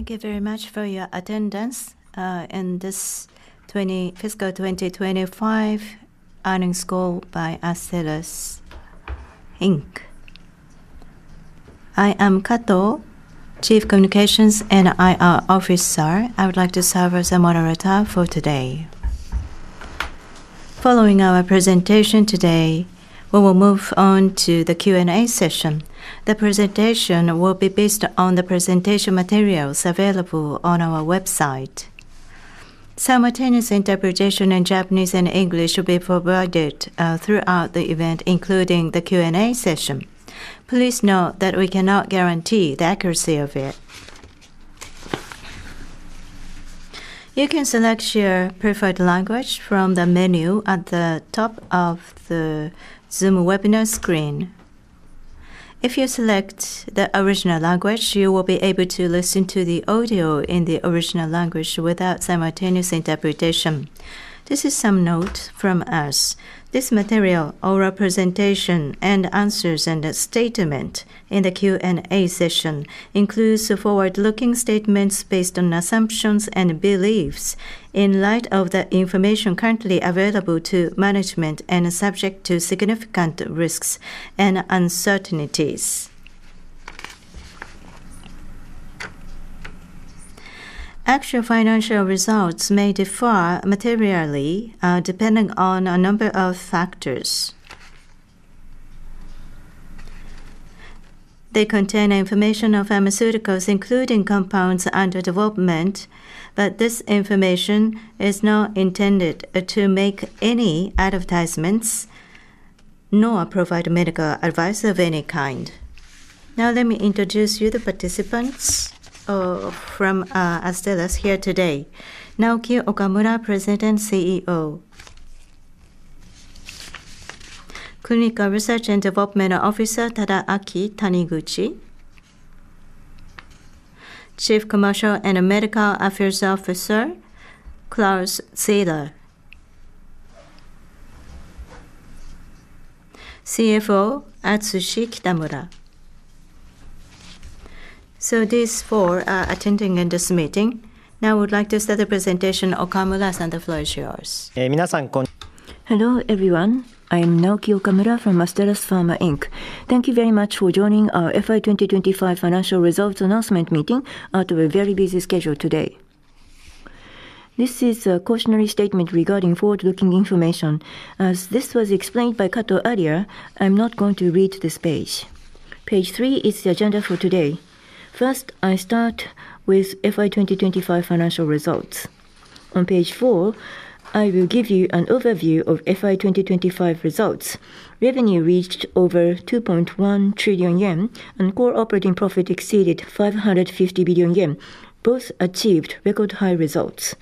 Thank you very much for your attendance in this Fiscal 2025 Earnings Call by Astellas Inc. I am Kato, Chief Communications and IR Officer. I would like to serve as a moderator for today. Following our presentation today, we will move on to the Q&A session. The presentation will be based on the presentation materials available on our website. Simultaneous interpretation in Japanese and English will be provided throughout the event, including the Q&A session. Please note that we cannot guarantee the accuracy of it. You can select your preferred language from the menu at the top of the Zoom webinar screen. If you select the original language, you will be able to listen to the audio in the original language without simultaneous interpretation. This is some note from us. This material, oral presentation, and answers and a statement in the Q&A session includes forward-looking statements based on assumptions and beliefs in light of the information currently available to management and are subject to significant risks and uncertainties. Actual financial results may differ materially, depending on a number of factors. They contain information on pharmaceuticals, including compounds under development, but this information is not intended to make any advertisements nor provide medical advice of any kind. Now, let me introduce you to the participants from Astellas here today. Naoki Okamura, President and CEO. Chief Research and Development Officer, Tadaaki Taniguchi. Chief Commercial and Medical Affairs Officer, Claus Zieler. CFO, Atsushi Kitamura. These four are attending in this meeting. Now I would like to start the presentation. Okamura-san, the floor is yours. Hello, everyone. I'm Naoki Okamura from Astellas Pharma, Inc. Thank you very much for joining our FY 2025 financial results announcement meeting out of a very busy schedule today. This is a cautionary statement regarding forward-looking information. As this was explained by Kato earlier, I'm not going to read this page. Page three is the agenda for today. First, I start with FY 2025 financial results. On page four, I will give you an overview of FY 2025 results. Revenue reached over 2.1 trillion yen, and Core Operating Profit exceeded 550 billion yen. Both achieved record high results.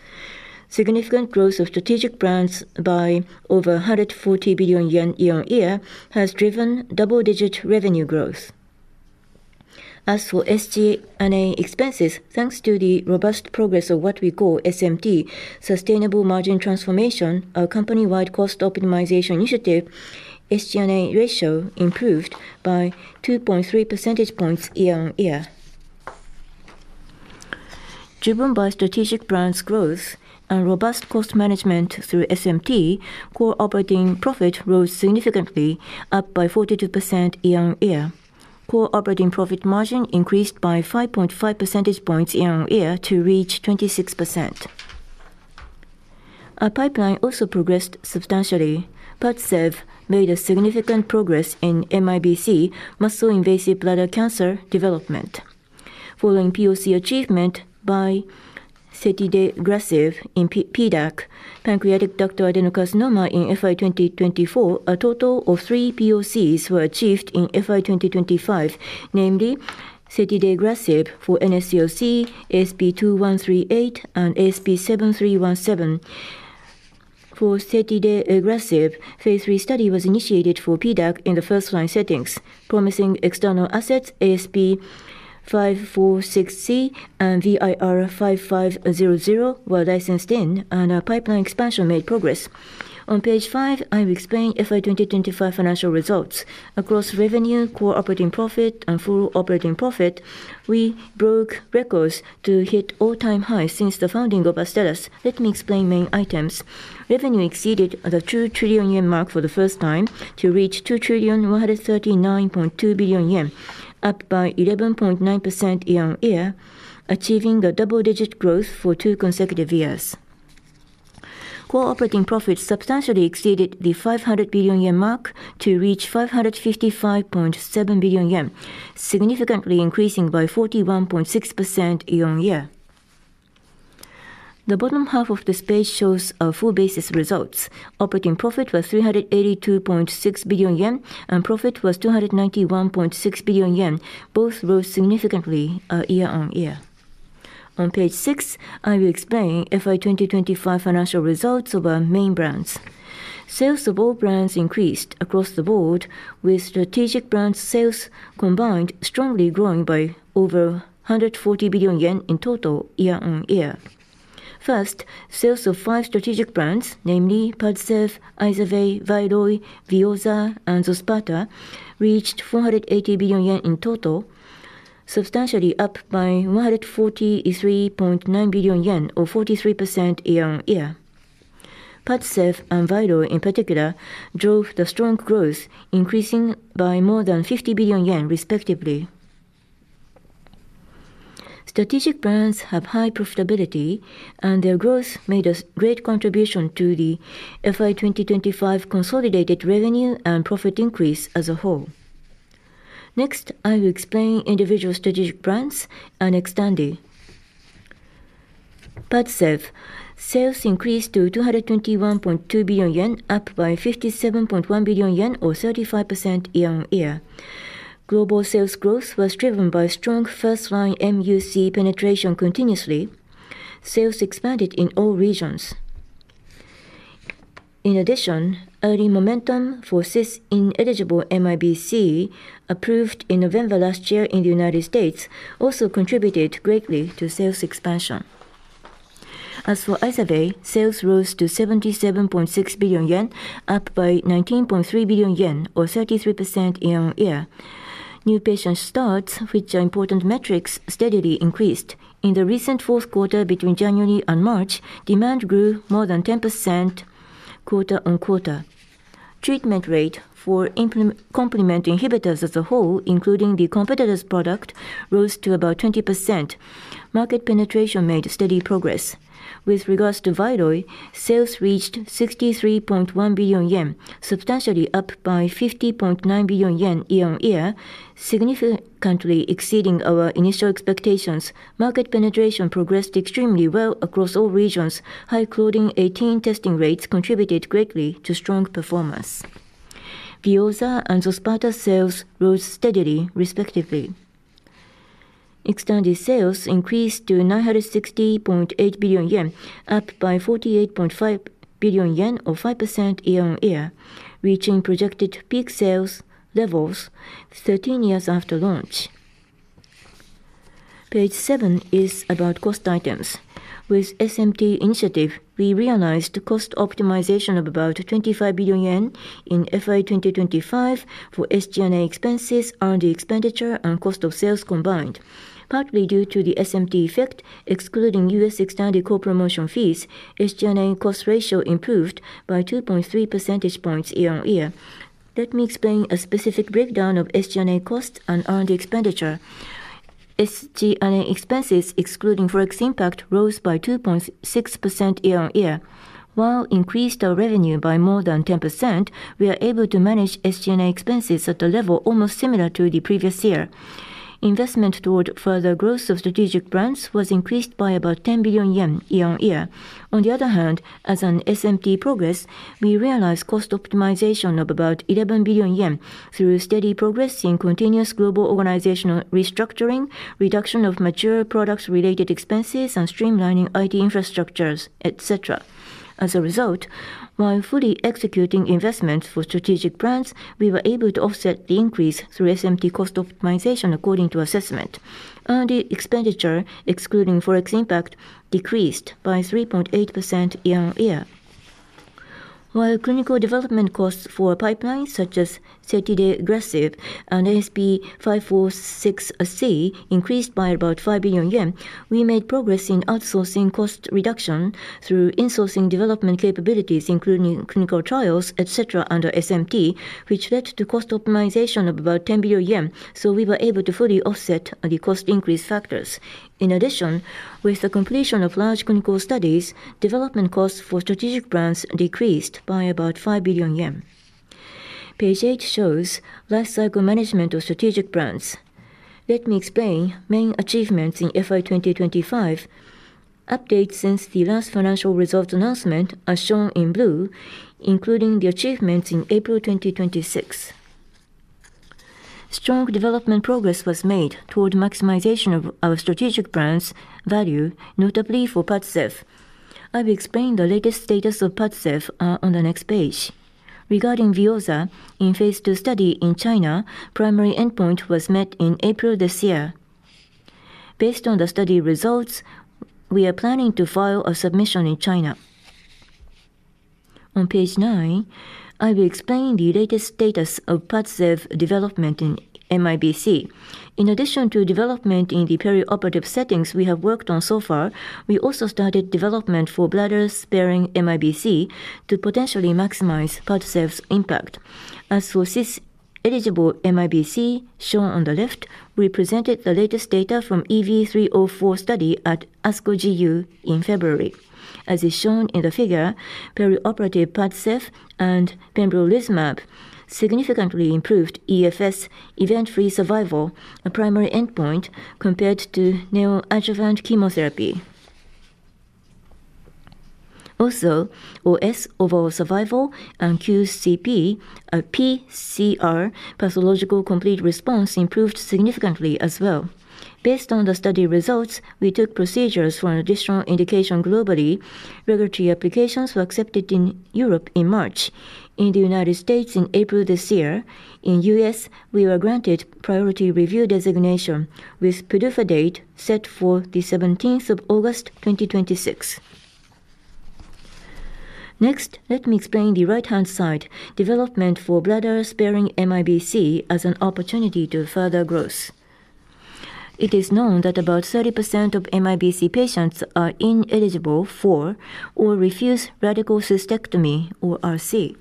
Significant growth of strategic brands by over 140 billion yen year-on-year has driven double-digit revenue growth. As for SG&A expenses, thanks to the robust progress of what we call SMT, Sustainable Margin Transformation, a company-wide cost optimization initiative, SG&A ratio improved by 2.3 percentage points year-on-year. Driven by strategic brands growth and robust cost management through SMT, Core Operating Profit rose significantly, up by 42% year-on-year. Core Operating Profit margin increased by 5.5 percentage points year-on-year to reach 26%. Our pipeline also progressed substantially. PADCEV made significant progress in MIBC, muscle invasive bladder cancer development. Following POC achievement by setidegrasib in PDAC, pancreatic ductal adenocarcinoma in FY 2024, a total of three POCs were achieved in FY 2025, namely setidegrasib for NSCLC, ASP2138 and ASP7317. For setidegrasib, phase III study was initiated for PDAC in the first-line settings. Promising external assets ASP546C and VIR-5500 were licensed in, and our pipeline expansion made progress. On page five, I will explain FY 2025 financial results. Across revenue, core operating profit and full operating profit, we broke records to hit all-time high since the founding of Astellas. Let me explain main items. Revenue exceeded the 2 trillion yen mark for the first time to reach 2,139.2 billion yen, up by 11.9% year-on-year, achieving a double-digit growth for two consecutive years. Core operating profits substantially exceeded the 500 billion yen mark to reach 555.7 billion yen, significantly increasing by 41.6% year-on-year. The bottom half of this page shows our full basis results. Operating profit was 382.6 billion yen, and profit was 291.6 billion yen. Both rose significantly year-on-year. On page six, I will explain FY 2025 financial results of our main brands. Sales of all brands increased across the board, with strategic brand sales combined strongly growing by over 140 billion yen in total year on year. First, sales of five strategic brands, namely PADCEV, IZERVAY, VYLOY, VEOZAH, and XOSPATA, reached 480 billion yen in total, substantially up by 143.9 billion yen or 43% year-on-year. PADCEV and VYLOY in particular drove the strong growth, increasing by more than 50 billion yen respectively. Strategic brands have high profitability, and their growth made a great contribution to the FY 2025 consolidated revenue and profit increase as a whole. Next, I will explain individual strategic brands and XTANDI. PADCEV sales increased to 221.2 billion yen, up by 57.1 billion yen or 35% year-on-year. Global sales growth was driven by strong first-line MUC penetration continuously. Sales expanded in all regions. In addition, early momentum for CIS-ineligible MIBC, approved in November last year in the United States, also contributed greatly to sales expansion. As for IZERVAY, sales rose to 77.6 billion yen, up by 19.3 billion yen or 33% year-on-year. New patient starts, which are important metrics, steadily increased. In the recent fourth quarter between January and March, demand grew more than 10% quarter-on-quarter. Treatment rate for complement inhibitors as a whole, including the competitor's product, rose to about 20%. Market penetration made steady progress. With regards to VYLOY, sales reached 63.1 billion yen, substantially up by 50.9 billion yen year-on-year, significantly exceeding our initial expectations. Market penetration progressed extremely well across all regions. High claudin 18.2 testing rates contributed greatly to strong performance. VEOZAH and XOSPATA sales rose steadily respectively. XTANDI sales increased to 960.8 billion yen, up by 48.5 billion yen or 5% year-on-year, reaching projected peak sales levels 13 years after launch. Page seven is about cost items. With SMT initiative, we realized cost optimization of about 25 billion yen in FY 2025 for SG&A expenses, R&D expenditure, and cost of sales combined. Partly due to the SMT effect, excluding U.S. XTANDI co-promotion fees, SG&A cost ratio improved by 2.3 percentage points year-on-year. Let me explain a specific breakdown of SG&A costs and R&D expenditure. SG&A expenses, excluding FX impact, rose by 2.6% year-on-year. While we increased our revenue by more than 10%, we are able to manage SG&A expenses at a level almost similar to the previous year. Investment toward further growth of strategic brands was increased by about 10 billion yen year-on-year. On the other hand, as for SMT progress, we realize cost optimization of about 11 billion yen through steady progress in continuous global organizational restructuring, reduction of mature products related expenses, and streamlining IT infrastructures, etc. As a result, while fully executing investments for strategic brands, we were able to offset the increase through SMT cost optimization according to assessment. R&D expenditure, excluding FX impact, decreased by 3.8% year-on-year. While clinical development costs for pipelines such as setidegrasib and ASP546C increased by about 5 billion yen, we made progress in outsourcing cost reduction through insourcing development capabilities, including clinical trials, et cetera, under SMT, which led to cost optimization of about 10 billion yen. We were able to fully offset the cost increase factors. In addition, with the completion of large clinical studies, development costs for strategic brands decreased by about 5 billion yen. Page eight shows life cycle management of strategic brands. Let me explain main achievements in FY 2025. Updates since the last financial results announcement are shown in blue, including the achievements in April 2026. Strong development progress was made toward maximization of our strategic brands' value, notably for PADCEV. I will explain the latest status of PADCEV on the next page. Regarding VEOZAH, in phase II study in China, primary endpoint was met in April this year. Based on the study results, we are planning to file a submission in China. On page nine, I will explain the latest status of PADCEV development in MIBC. In addition to development in the perioperative settings we have worked on so far, we also started development for bladder-sparing MIBC to potentially maximize PADCEV's impact. As for CIS-eligible MIBC shown on the left, we presented the latest data from EV-304 study at ASCO GU in February. As is shown in the figure, perioperative PADCEV and pembrolizumab significantly improved EFS, event-free survival, a primary endpoint, compared to neoadjuvant chemotherapy. Also, OS, overall survival, and pCR, pathological complete response, improved significantly as well. Based on the study results, we took procedures for an additional indication globally. Regulatory applications were accepted in Europe in March. In the United States in April this year. In the U.S., we were granted priority review designation with PDUFA date set for August 17, 2026. Next, let me explain the right-hand side, development for bladder-sparing MIBC as an opportunity to further growth. It is known that about 30% of MIBC patients are ineligible for or refuse radical cystectomy, or RC.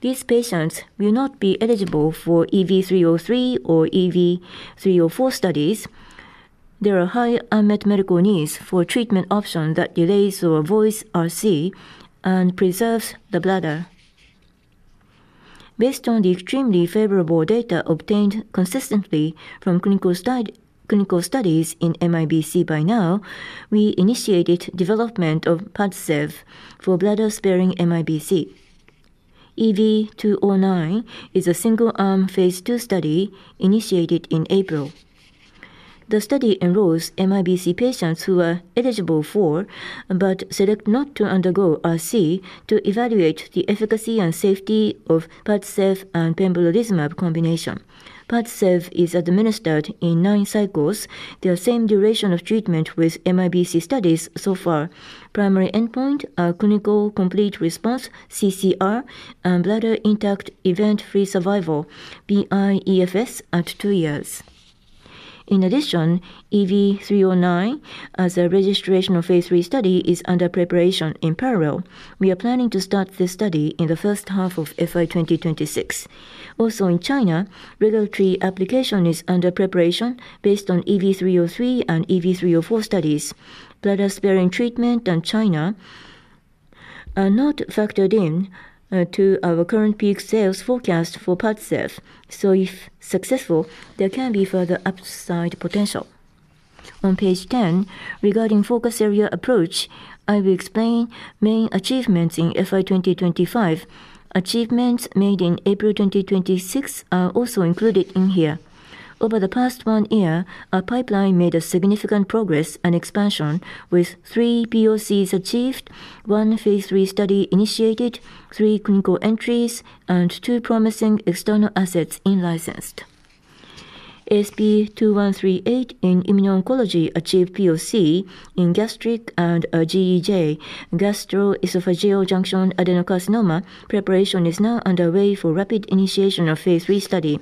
These patients will not be eligible for EV-303 or EV-304 studies. There are high unmet medical needs for treatment option that delays or avoids RC and preserves the bladder. Based on the extremely favorable data obtained consistently from clinical studies in MIBC by now, we initiated development of PADCEV for bladder-sparing MIBC. EV-209 is a single-arm phase II study initiated in April. The study enrolls MIBC patients who are eligible for but select not to undergo RC to evaluate the efficacy and safety of PADCEV and pembrolizumab combination. PADCEV is administered in nine cycles. The same duration of treatment with MIBC studies so far. Primary endpoint are clinical complete response, CCR, and bladder intact event-free survival, BI-EFS, at two years. In addition, EV-309 as a registrational phase III study is under preparation in parallel. We are planning to start this study in the first half of FY 2026. Also in China, regulatory application is under preparation based on EV-303 and EV-304 studies. Bladder-sparing treatment in China are not factored in to our current peak sales forecast for PADCEV. If successful, there can be further upside potential. On page 10, regarding focus area approach, I will explain main achievements in FY 2025. Achievements made in April 2026 are also included here. Over the past one year, our pipeline made a significant progress and expansion with three POCs achieved, one phase III study initiated, three clinical entries, and two promising external assets in-licensed. ASP2138 in immuno-oncology achieved POC in gastric and GEJ, gastroesophageal junction adenocarcinoma. Preparation is now underway for rapid initiation of phase III study.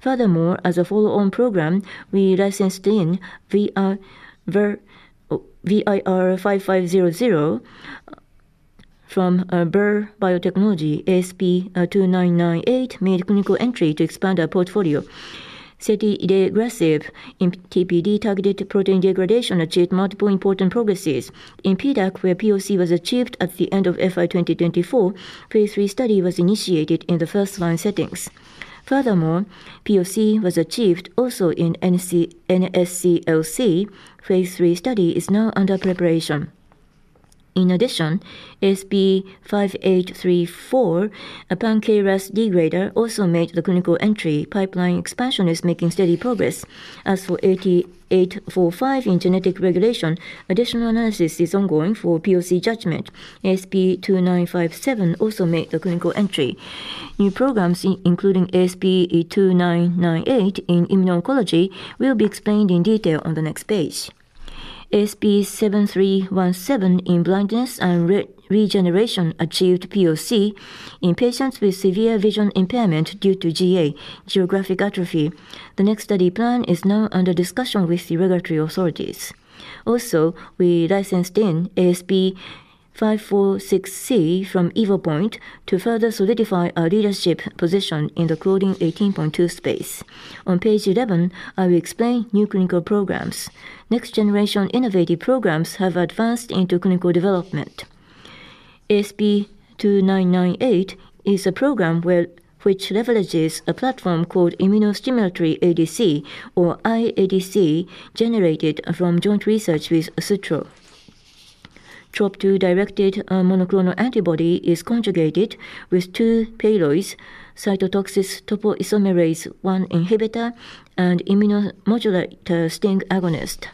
Furthermore, as a follow-on program, we licensed in VIR-5500 from Vir Biotechnology. ASP2998 made clinical entry to expand our portfolio. setidegrasib in TPD, targeted protein degradation, achieved multiple important progresses. In PDAC, where POC was achieved at the end of FY 2024, phase III study was initiated in the first-line settings. Furthermore, POC was achieved also in non-small cell NSCLC. Phase III study is now under preparation. In addition, ASP5834, a pan-KRAS degrader, also made the clinical entry. Pipeline expansion is making steady progress. As for AT845 in genetic regulation, additional analysis is ongoing for POC judgment. ASP2957 also made the clinical entry. New programs including ASP2998 in immuno-oncology will be explained in detail on the next page. ASP7317 in blindness and regeneration achieved POC in patients with severe vision impairment due to GA, geographic atrophy. The next study plan is now under discussion with the regulatory authorities. We licensed in ASP546C from Evopoint to further solidify our leadership position in the claudin 18.2 space. On page 11, I will explain new clinical programs. Next-generation innovative programs have advanced into clinical development. ASP2998 is a program which leverages a platform called immunostimulatory ADC, or iADC, generated from joint research with Sutro. Trop-2 directed monoclonal antibody is conjugated with two payloads, cytotoxic topoisomerase one inhibitor and immunomodulator STING agonist.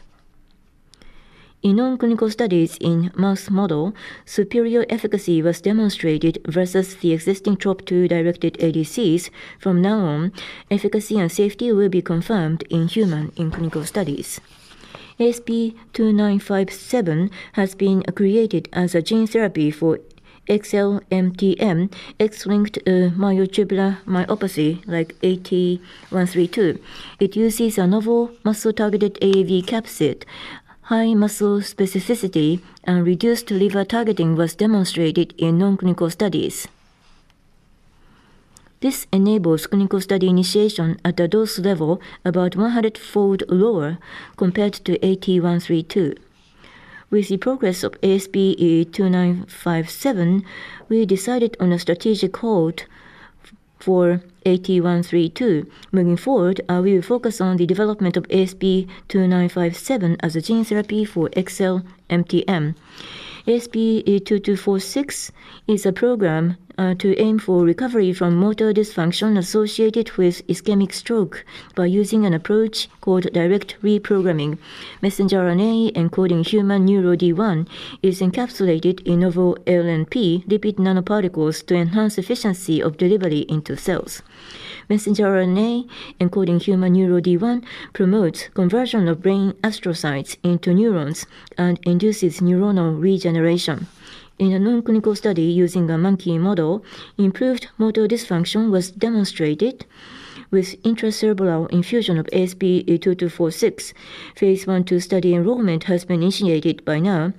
In non-clinical studies in mouse model, superior efficacy was demonstrated versus the existing Trop-2-directed ADCs. From now on, efficacy and safety will be confirmed in human clinical studies. ASP2957 has been created as a gene therapy for XLMTM, X-linked myotubular myopathy, like AT132. It uses a novel muscle-targeted AAV capsid. High muscle specificity and reduced liver targeting was demonstrated in non-clinical studies. This enables clinical study initiation at a dose level about 100-fold lower compared to AT132. With the progress of ASP2957. We decided on a strategic hold for AT132. Moving forward, we will focus on the development of ASP2957 as a gene therapy for XLMTM. ASP2246 is a program to aim for recovery from motor dysfunction associated with ischemic stroke by using an approach called direct reprogramming. Messenger RNA, encoding human NeuroD1, is encapsulated in novel LNP lipid nanoparticles to enhance efficiency of delivery into cells. Messenger RNA, encoding human NeuroD1, promotes conversion of brain astrocytes into neurons and induces neuronal regeneration. In a non-clinical study using a monkey model, improved motor dysfunction was demonstrated with intracerebral infusion of ASP2246. Phase I/II study enrollment has been initiated by now.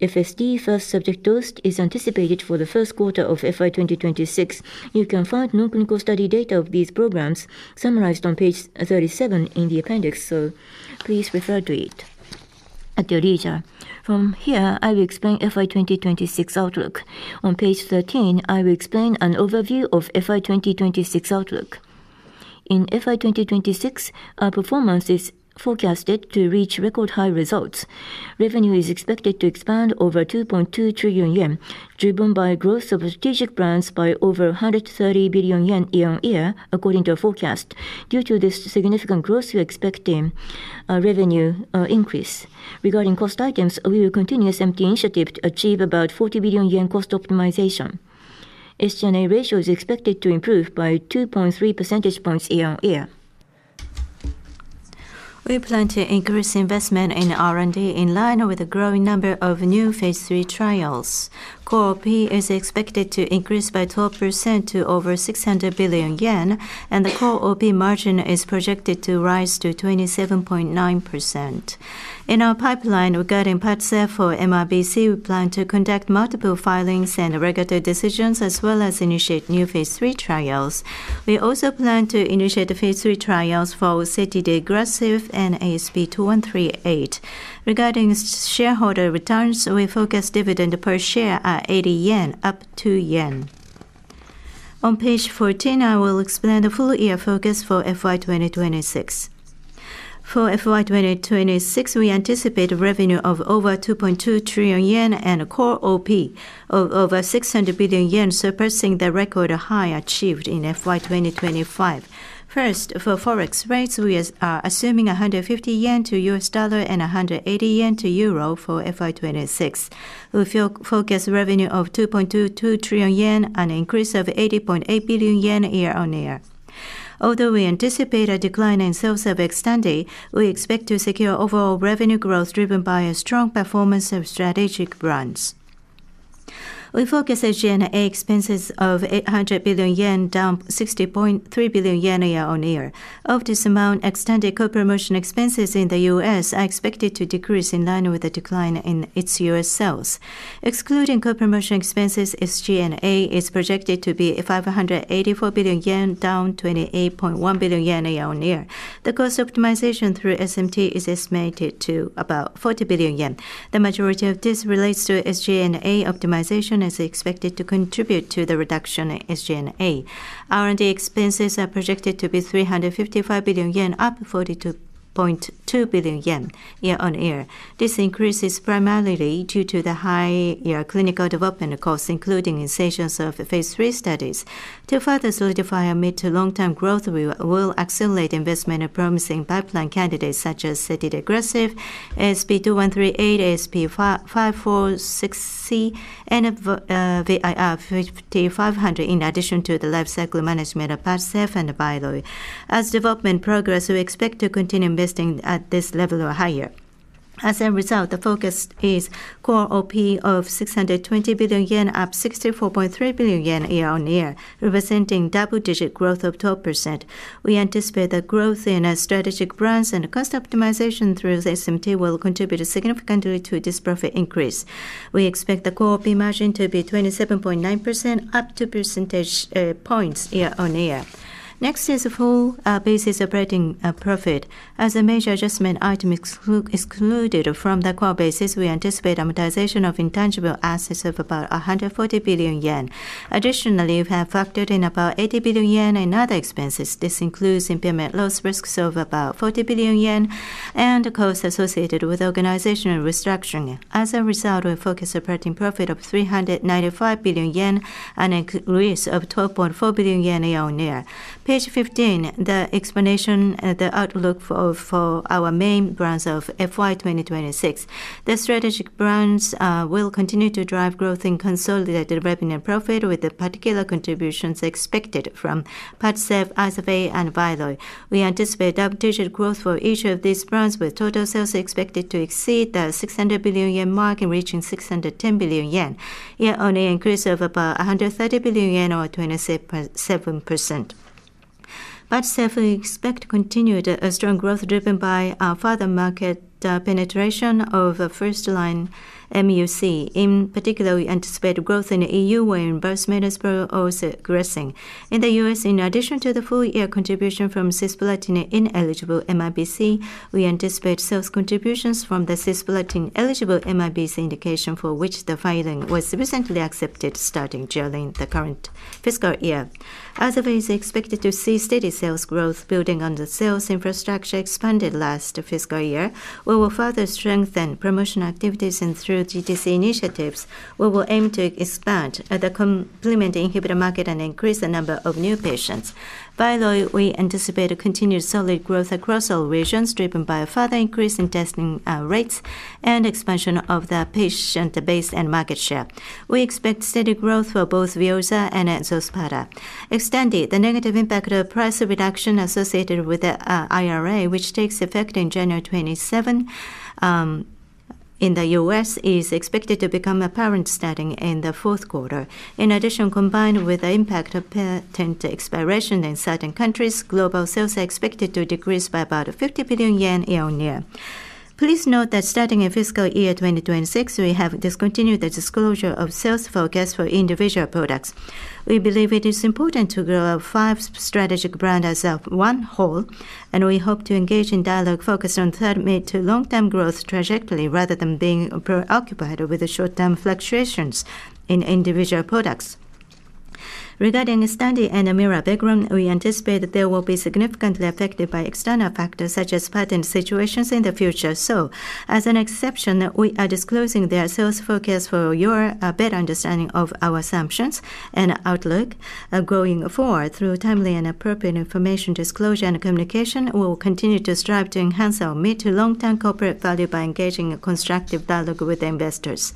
FSD, First Subject Dosed, is anticipated for the first quarter of FY 2026. You can find non-clinical study data of these programs summarized on page 37 in the appendix, so please refer to it at your leisure. From here, I will explain FY 2026 outlook. On page 13, I will explain an overview of FY 2026 outlook. In FY 2026, our performance is forecasted to reach record-high results. Revenue is expected to expand over 2.2 trillion yen, driven by growth of strategic brands by over 130 billion yen year-on-year, according to our forecast. Due to this significant growth, we're expecting a revenue increase. Regarding cost items, we will continue SMT initiative to achieve about 40 billion yen cost optimization. SG&A ratio is expected to improve by 2.3 percentage points year-on-year. We plan to increase investment in R&D in line with the growing number of new phase III trials. Core OP is expected to increase by 12% to over 600 billion yen. The core OP margin is projected to rise to 27.9%. In our pipeline regarding PADCEV for MIBC, we plan to conduct multiple filings and regulatory decisions, as well as initiate new phase III trials. We also plan to initiate the phase III trials for setidegrasib and ASP2138. Regarding shareholder returns, we forecast dividend per share at 80 yen, up 2 yen. On page 14, I will explain the full year focus for FY 2026. For FY 2026, we anticipate revenue of over 2.2 trillion yen and a core OP of over 600 billion yen, surpassing the record high achieved in FY 2025. First, for Forex rates, we are assuming 150 yen to the U.S. dollar and 180 yen to the euro for FY 2026. We forecast revenue of 2.22 trillion yen, an increase of 80.8 billion yen year-on-year. Although we anticipate a decline in sales of XTANDI, we expect to secure overall revenue growth driven by a strong performance of strategic brands. We forecast SG&A expenses of 800 billion yen, down 60.3 billion yen year-on-year. Of this amount, XTANDI co-promotion expenses in the U.S. are expected to decrease in line with the decline in its U.S. sales. Excluding co-promotion expenses, SG&A is projected to be 584 billion yen, down 28.1 billion yen year-on-year. The cost optimization through SMT is estimated at about 40 billion yen. The majority of this relates to SG&A optimization, as expected to contribute to the reduction in SG&A. R&D expenses are projected to be 355 billion yen, up 42.2 billion yen year-on-year. This increase is primarily due to the high year clinical development costs, including investments of phase III studies. To further solidify our mid to long term growth, we will accelerate investment in promising pipeline candidates such as setidegrasib, ASP2138, ASP546C, and VIR-5500, in addition to the lifecycle management of PADCEV and VYLOY. As development progress, we expect to continue investing at this level or higher. As a result, the focus is Core OP of 620 billion yen, up 64.3 billion yen year-on-year, representing double-digit growth of 12%. We anticipate the growth in our strategic brands and cost optimization through the SMT will contribute significantly to this profit increase. We expect the Core OP margin to be 27.9%, up 2 percentage points year-on-year. Next is the full business operating profit. As a major adjustment item excluded from the core basis, we anticipate amortization of intangible assets of about 140 billion yen. Additionally, we have factored in about 80 billion yen in other expenses. This includes impairment loss risks of about 40 billion yen and costs associated with organizational restructuring. As a result, we forecast operating profit of 395 billion yen, an increase of 12.4 billion yen year-on-year. Page 15, the explanation, the outlook for our main brands of FY 2026. The strategic brands will continue to drive growth in consolidated revenue and profit, with the particular contributions expected from PADCEV, IZERVAY and VYLOY. We anticipate double-digit growth for each of these brands, with total sales expected to exceed the 600 billion yen mark and reaching 610 billion yen, year-on-year increase of about 130 billion yen or 27%. We safely expect continued strong growth driven by our further market penetration of first line MUC. In particular, we anticipate growth in E.U., where both medicines grow, also addressing. In the U.S., in addition to the full year contribution from cisplatin ineligible MIBC, we anticipate sales contributions from the cisplatin eligible MIBC indication for which the filing was recently accepted starting during the current fiscal year. XTANDI expected to see steady sales growth building on the sales infrastructure expanded last fiscal year. We will further strengthen promotion activities and through GDC initiatives. We will aim to expand in the complement inhibitor market and increase the number of new patients. By IZERVAY, we anticipate a continued solid growth across all regions, driven by a further increase in testing rates and expansion of the patient base and market share. We expect steady growth for both VEOZAH and XOSPATA. Excluding the negative impact of the price reduction associated with the IRA, which takes effect in January 2027 in the U.S., is expected to become apparent starting in the fourth quarter. In addition, combined with the impact of patent expiration in certain countries, global sales are expected to decrease by about 50 billion yen year-on-year. Please note that starting in fiscal year 2026, we have discontinued the disclosure of sales forecast for individual products. We believe it is important to grow our five strategic brands as one whole, and we hope to engage in dialogue focused on short-mid to long-term growth trajectory, rather than being preoccupied with the short-term fluctuations in individual products. Regarding XTANDI and PADCEV background, we anticipate they will be significantly affected by external factors such as patent situations in the future. As an exception, we are disclosing their sales forecast for your better understanding of our assumptions and outlook. Going forward, through timely and appropriate information disclosure and communication, we will continue to strive to enhance our mid to long-term corporate value by engaging a constructive dialogue with investors.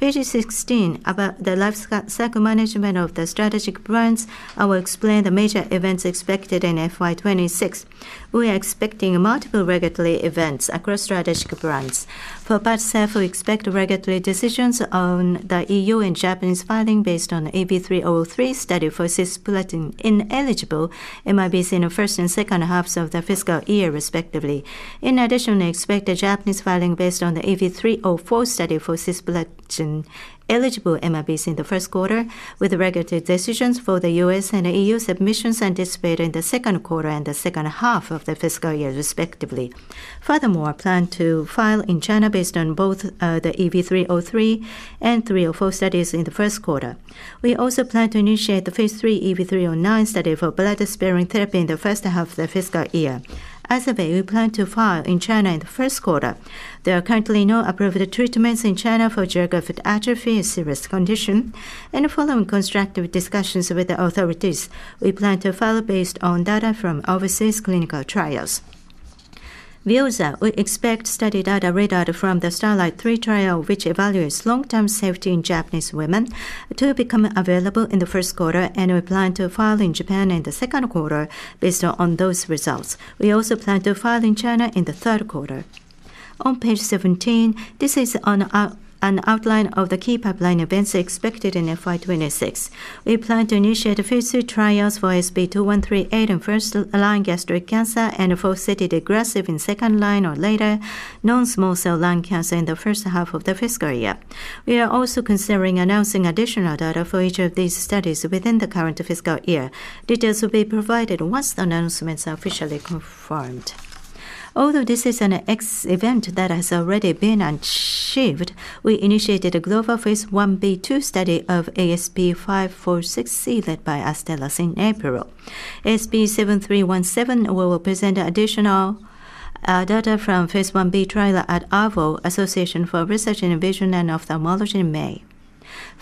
Page 16. About the lifecycle management of the strategic brands, I will explain the major events expected in FY 2026. We are expecting multiple regulatory events across strategic brands. For PADCEV, we expect regulatory decisions on the E.U. and Japanese filing based on the EV-303 study for cisplatin-ineligible MIBC in the first and second halves of the fiscal year respectively. In addition, I expect a Japanese filing based on the EV-304 study for cisplatin-eligible MIBC in the first quarter, with regulatory decisions for the U.S. and E.U. submissions anticipated in the second quarter and the second half of the fiscal year respectively. Furthermore, plan to file in China based on both, the EV-303 and EV-304 studies in the first quarter. We also plan to initiate the phase III EV-309 study for bladder sparing therapy in the first half of the fiscal year. Otherwise, we plan to file in China in the first quarter. There are currently no approved treatments in China for geographic atrophy, a serious condition. Following constructive discussions with the authorities, we plan to file based on data from overseas clinical trials. VEOZAH, we expect study data read out from the STARLIGHT-3 trial, which evaluates long-term safety in Japanese women, to become available in the first quarter, and we plan to file in Japan in the second quarter based on those results. We also plan to file in China in the third quarter. On page 17, this is an outline of the key pipeline events expected in FY 2026. We plan to initiate phase II trials for ASP2138 in first-line gastric cancer and AT845 in second-line or later non-small cell lung cancer in the first half of the fiscal year. We are also considering announcing additional data for each of these studies within the current fiscal year. Details will be provided once the announcements are officially confirmed. Although this is an ex-event that has already been achieved, we initiated a global phase I-B/II study of ASP546C led by Astellas in April. ASP7317 will represent additional data from phase I-B trial at ARVO, Association for Research in Vision and Ophthalmology in May.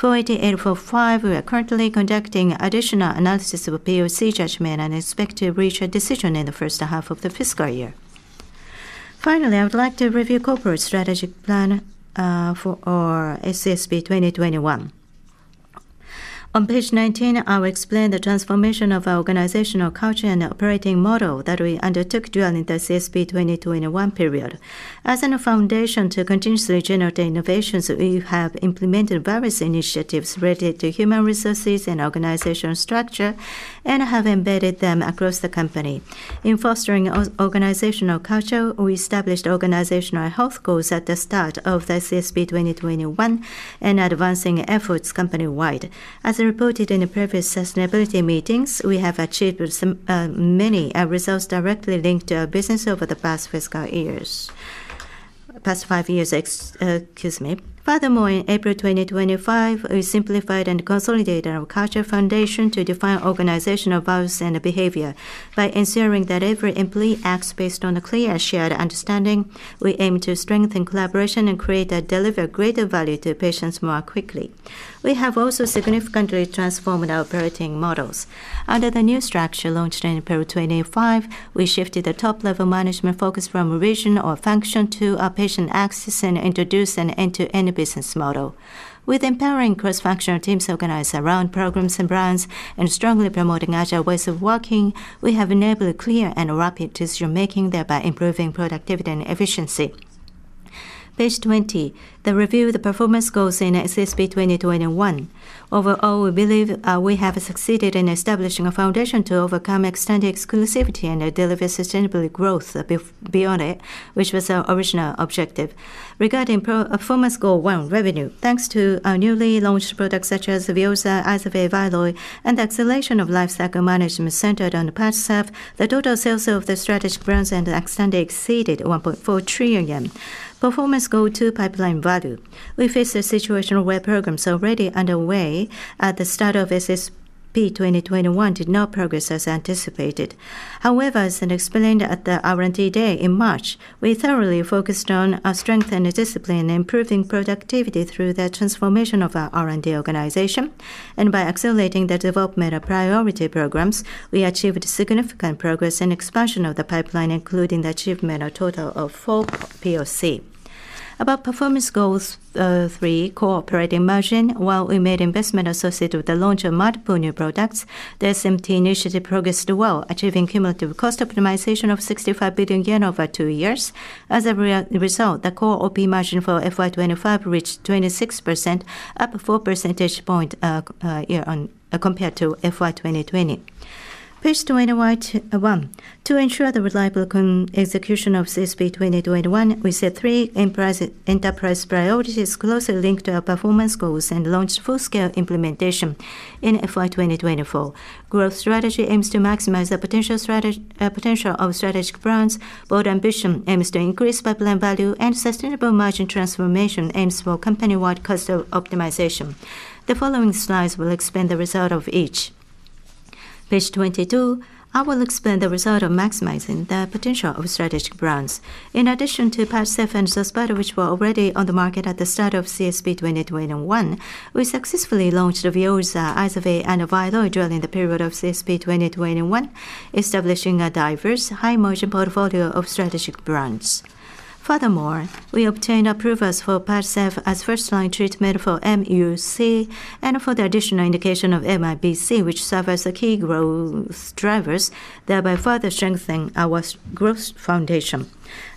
AT845, we are currently conducting additional analysis of POC judgment and expect to reach a decision in the first half of the fiscal year. Finally, I would like to review Corporate Strategic Plan for our CSP 2021. On page 19, I'll explain the transformation of our organizational culture and operating model that we undertook during the CSP 2021 period. As a foundation to continuously generate innovations, we have implemented various initiatives related to human resources and organizational structure and have embedded them across the company. In fostering our organizational culture, we established organizational health goals at the start of the CSP 2021 and advancing efforts company-wide. As reported in the previous sustainability meetings, we have achieved some, many, results directly linked to our business over the past five years, excuse me. Furthermore, in April 2025, we simplified and consolidated our culture foundation to define organizational values and behavior. By ensuring that every employee acts based on a clear shared understanding, we aim to strengthen collaboration and create and deliver greater value to patients more quickly. We have also significantly transformed our operating models. Under the new structure launched in April 2025, we shifted the top-level management focus from regional or functional to a patient axis and introduced an end-to-end business model. With empowering cross-functional teams organized around programs and brands and strongly promoting agile ways of working, we have enabled clear and rapid decision-making, thereby improving productivity and efficiency. Page 20. The review of the performance goals in CSP 2021. Overall, we believe we have succeeded in establishing a foundation to overcome extended exclusivity and deliver sustainable growth beyond it, which was our original objective. Regarding performance goal one, revenue. Thanks to our newly launched products such as VEOZAH, IZERVAY, VYLOY, and the acceleration of lifecycle management centered on PADCEV, the total sales of the strategic brands and the established exceeded 1.4 trillion yen. Performance goal two, pipeline value. We face a situation where programs already underway at the start of CSP 2021 did not progress as anticipated. However, as explained at the R&D Day in March, we thoroughly focused on strength and discipline, improving productivity through the transformation of our R&D organization, and by accelerating the development of priority programs, we achieved significant progress in expansion of the pipeline, including the achievement of total of four POC. About performance goals, three, core operating margin. While we made investment associated with the launch of multiple new products, the SMT initiative progressed well, achieving cumulative cost optimization of 65 billion yen over two years. As a result, the core OP margin for FY 2025 reached 26%, up 4 percentage points year on year compared to FY 2020. Page 21. To ensure the reliable execution of CSP 2021, we set three enterprise priorities closely linked to our performance goals and launched full scale implementation in FY 2024. Growth strategy aims to maximize the potential of strategic brands. Bold ambition aims to increase pipeline value. Sustainable margin transformation aims for company-wide cost optimization. The following slides will explain the result of each. Page 22, I will explain the result of maximizing the potential of strategic brands. In addition to PADCEV and XOSPATA, which were already on the market at the start of CSP 2021, we successfully launched VEOZAH, IZERVAY, and VYLOY during the period of CSP 2021, establishing a diverse high-margin portfolio of strategic brands. Furthermore, we obtained approvals for PADCEV as first-line treatment for MUC and for the additional indication of MIBC, which serve as the key growth drivers, thereby further strengthening our growth foundation.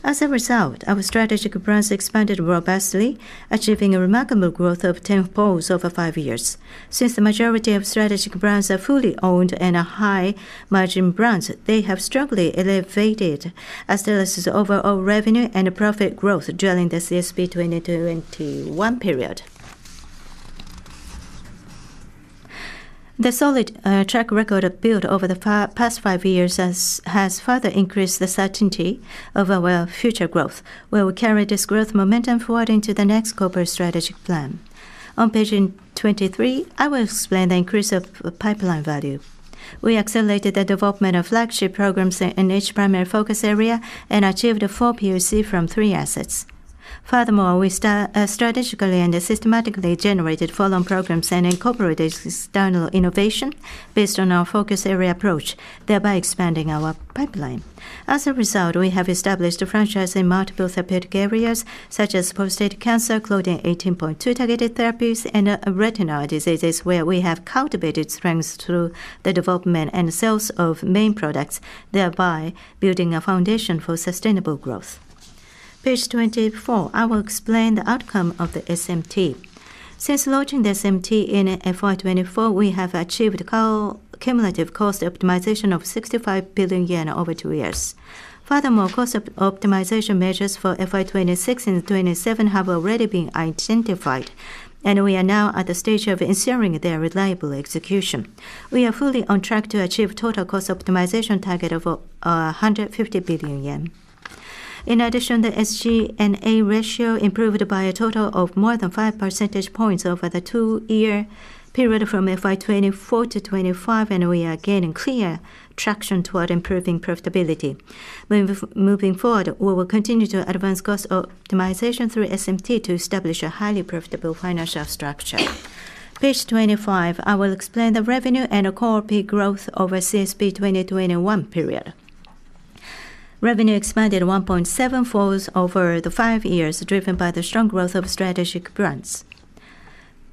As a result, our strategic brands expanded robustly, achieving a remarkable growth of 10-fold over five years. Since the majority of strategic brands are fully owned and are high margin brands, they have strongly elevated Astellas' overall revenue and profit growth during the CSP 2021 period. The solid track record we've built over the past five years has further increased the certainty of our future growth, where we carry this growth momentum forward into the next Corporate Strategic Plan. On page 23, I will explain the increase of pipeline value. We accelerated the development of flagship programs in each primary focus area and achieved four POC from three assets. Furthermore, we strategically and systematically generated follow-on programs and incorporated external innovation based on our focus area approach, thereby expanding our pipeline. As a result, we have established a franchise in multiple therapeutic areas such as prostate cancer, claudin 18.2-targeted therapies, and retinal diseases, where we have cultivated strengths through the development and sales of main products, thereby building a foundation for sustainable growth. Page 24, I will explain the outcome of the SMT. Since launching the SMT in FY 2024, we have achieved cumulative cost optimization of 65 billion yen over two years. Furthermore, cost optimization measures for FY 2026 and 2027 have already been identified, and we are now at the stage of ensuring their reliable execution. We are fully on track to achieve total cost optimization target of 150 billion yen. In addition, the SG&A ratio improved by a total of more than 5 percentage points over the two-year period from FY 2024 to 2025, and we are gaining clear traction toward improving profitability. When moving forward, we will continue to advance cost optimization through SMT to establish a highly profitable financial structure. Page 25, I will explain the revenue and core OP growth over CSP 2021 period. Revenue expanded 1.7-fold over the five years, driven by the strong growth of strategic brands.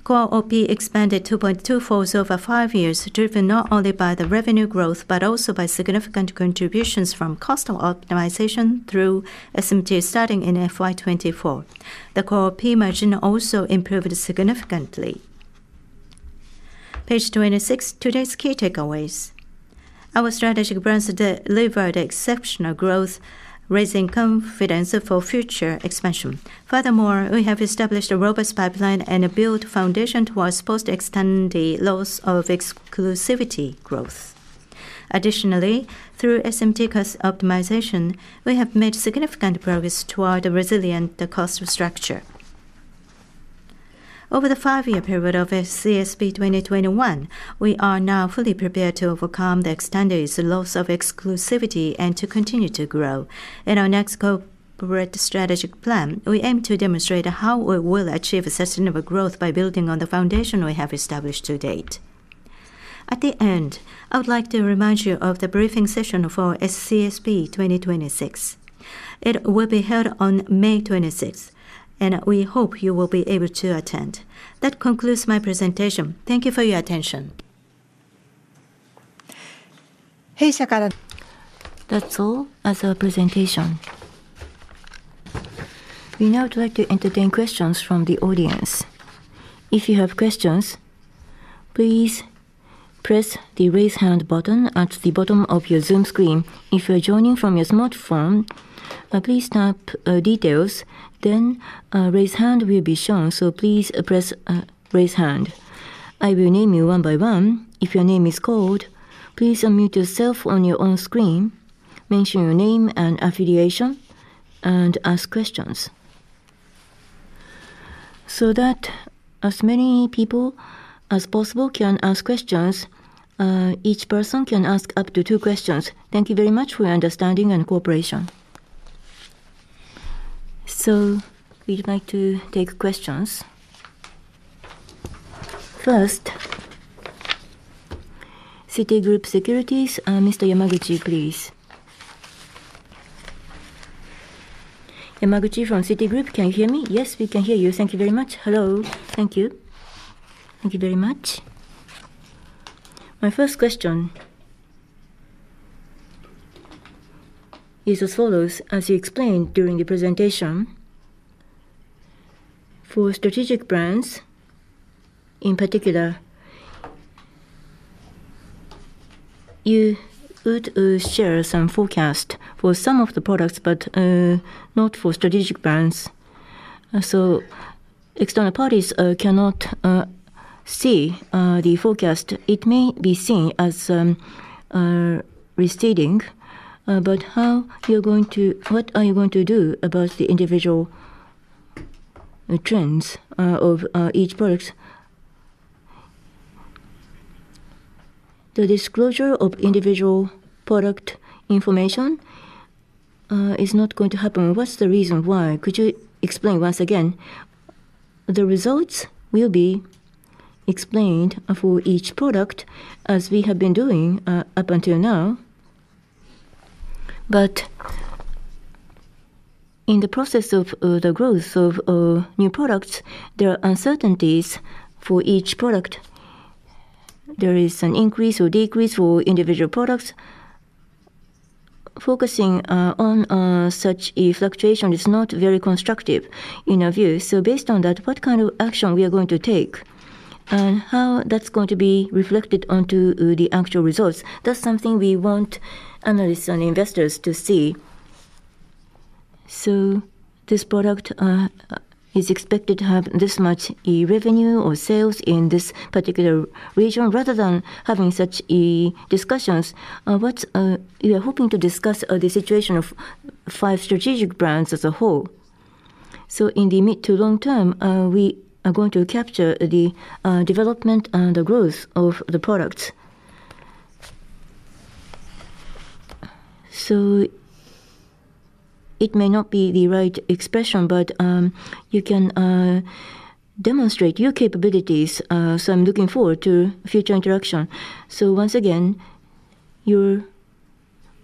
Core OP expanded 2.2-fold over five years, driven not only by the revenue growth but also by significant contributions from cost optimization through SMT starting in FY 2024. The core OP margin also improved significantly. Page 26. Today's key takeaways. Our strategic brands delivered exceptional growth, raising confidence for future expansion. Furthermore, we have established a robust pipeline and a built foundation towards post extended loss of exclusivity growth. Additionally, through SMT cost optimization, we have made significant progress toward a resilient cost structure. Over the five-year period of CSP 2021, we are now fully prepared to overcome the extended loss of exclusivity and to continue to grow. In our next corporate strategic plan, we aim to demonstrate how we will achieve sustainable growth by building on the foundation we have established to date. At the end, I would like to remind you of the briefing session for CSP 2026. It will be held on May 26th, and we hope you will be able to attend. That concludes my presentation. Thank you for your attention. That's all for our presentation. We now would like to entertain questions from the audience. If you have questions, please press the Raise Hand button at the bottom of your Zoom screen. If you are joining from your smartphone, please tap Details, then Raise Hand will be shown, so please press Raise Hand. I will name you one by one. If your name is called, please unmute yourself on your own screen, mention your name and affiliation, and ask questions so that as many people as possible can ask questions, each person can ask up to two questions. Thank you very much for your understanding and cooperation. We'd like to take questions. First, Citigroup Securities, Mr. Yamaguchi, please. Yamaguchi from Citigroup, can you hear me? Yes, we can hear you. Thank you very much. Hello. Thank you. Thank you very much. My first question is as follows: As you explained during the presentation, for strategic brands, in particular, you would share some forecast for some of the products, but not for strategic brands. So external parties cannot see the forecast. It may be seen as restricting, but what are you going to do about the individual trends of each products? The disclosure of individual product information is not going to happen. What's the reason why? Could you explain once again? The results will be explained for each product as we have been doing up until now. In the process of the growth of new products, there are uncertainties for each product. There is an increase or decrease for individual products. Focusing on such a fluctuation is not very constructive in our view. Based on that, what kind of action we are going to take and how that's going to be reflected onto the actual results, that's something we want analysts and investors to see. This product is expected to have this much revenue or sales in this particular region. Rather than having such discussions, what we are hoping to discuss are the situation of five strategic brands as a whole. In the mid to long term, we are going to capture the development and the growth of the products. It may not be the right expression, but you can demonstrate your capabilities, so I'm looking forward to future interaction. Once again, you're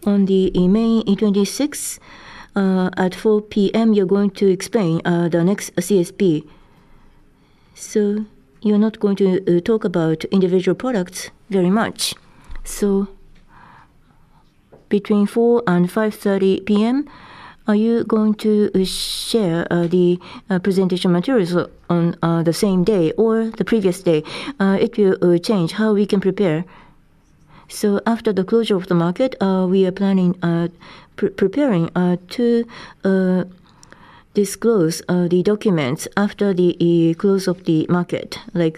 on the in May, on the 26th at 4:00 P.M., you're going to explain the next CSP. You're not going to talk about individual products very much. Between 4:00 and 5:30 P.M., are you going to share the presentation materials on the same day or the previous day? If you change, how we can prepare? After the closure of the market, we are planning preparing to disclose the documents after the close of the market, like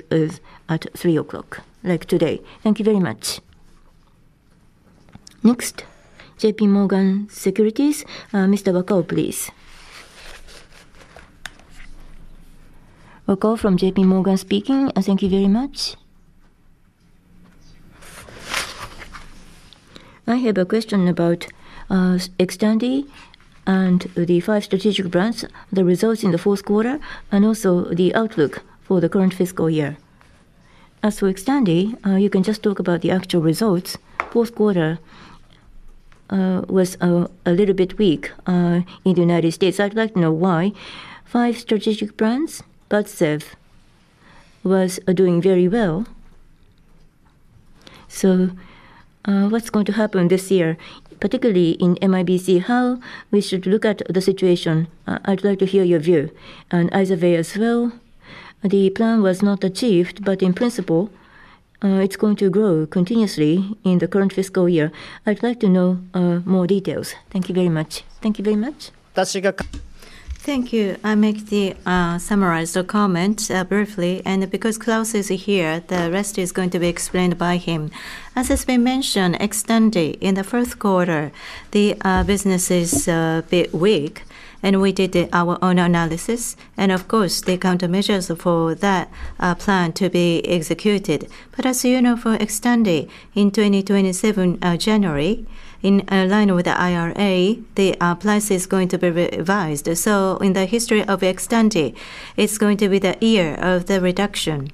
at 3:00, like today. Thank you very much. Next, JPMorgan Securities, Mr. Wakao, please. Wakao from JPMorgan speaking. Thank you very much. I have a question about XTANDI and the five strategic brands, the results in the fourth quarter, and also the outlook for the current fiscal year. As for XTANDI, you can just talk about the actual results. Fourth quarter was a little bit weak in the United States. I'd like to know why. Five strategic brands, PADCEV was doing very well. What's going to happen this year, particularly in MIBC? How we should look at the situation? I'd like to hear your view. IZERVAY as well, the plan was not achieved, but in principle, it's going to grow continuously in the current fiscal year. I'd like to know more details. Thank you very much. Thank you. I summarize the comment briefly, and because Claus is here, the rest is going to be explained by him. As has been mentioned, XTANDI, in the first quarter, the business is a bit weak, and we did our own analysis, and of course, the countermeasures for that plan to be executed. As you know, for XTANDI, in 2027, January, in line with the IRA, the price is going to be revised. In the history of XTANDI, it's going to be the year of the reduction,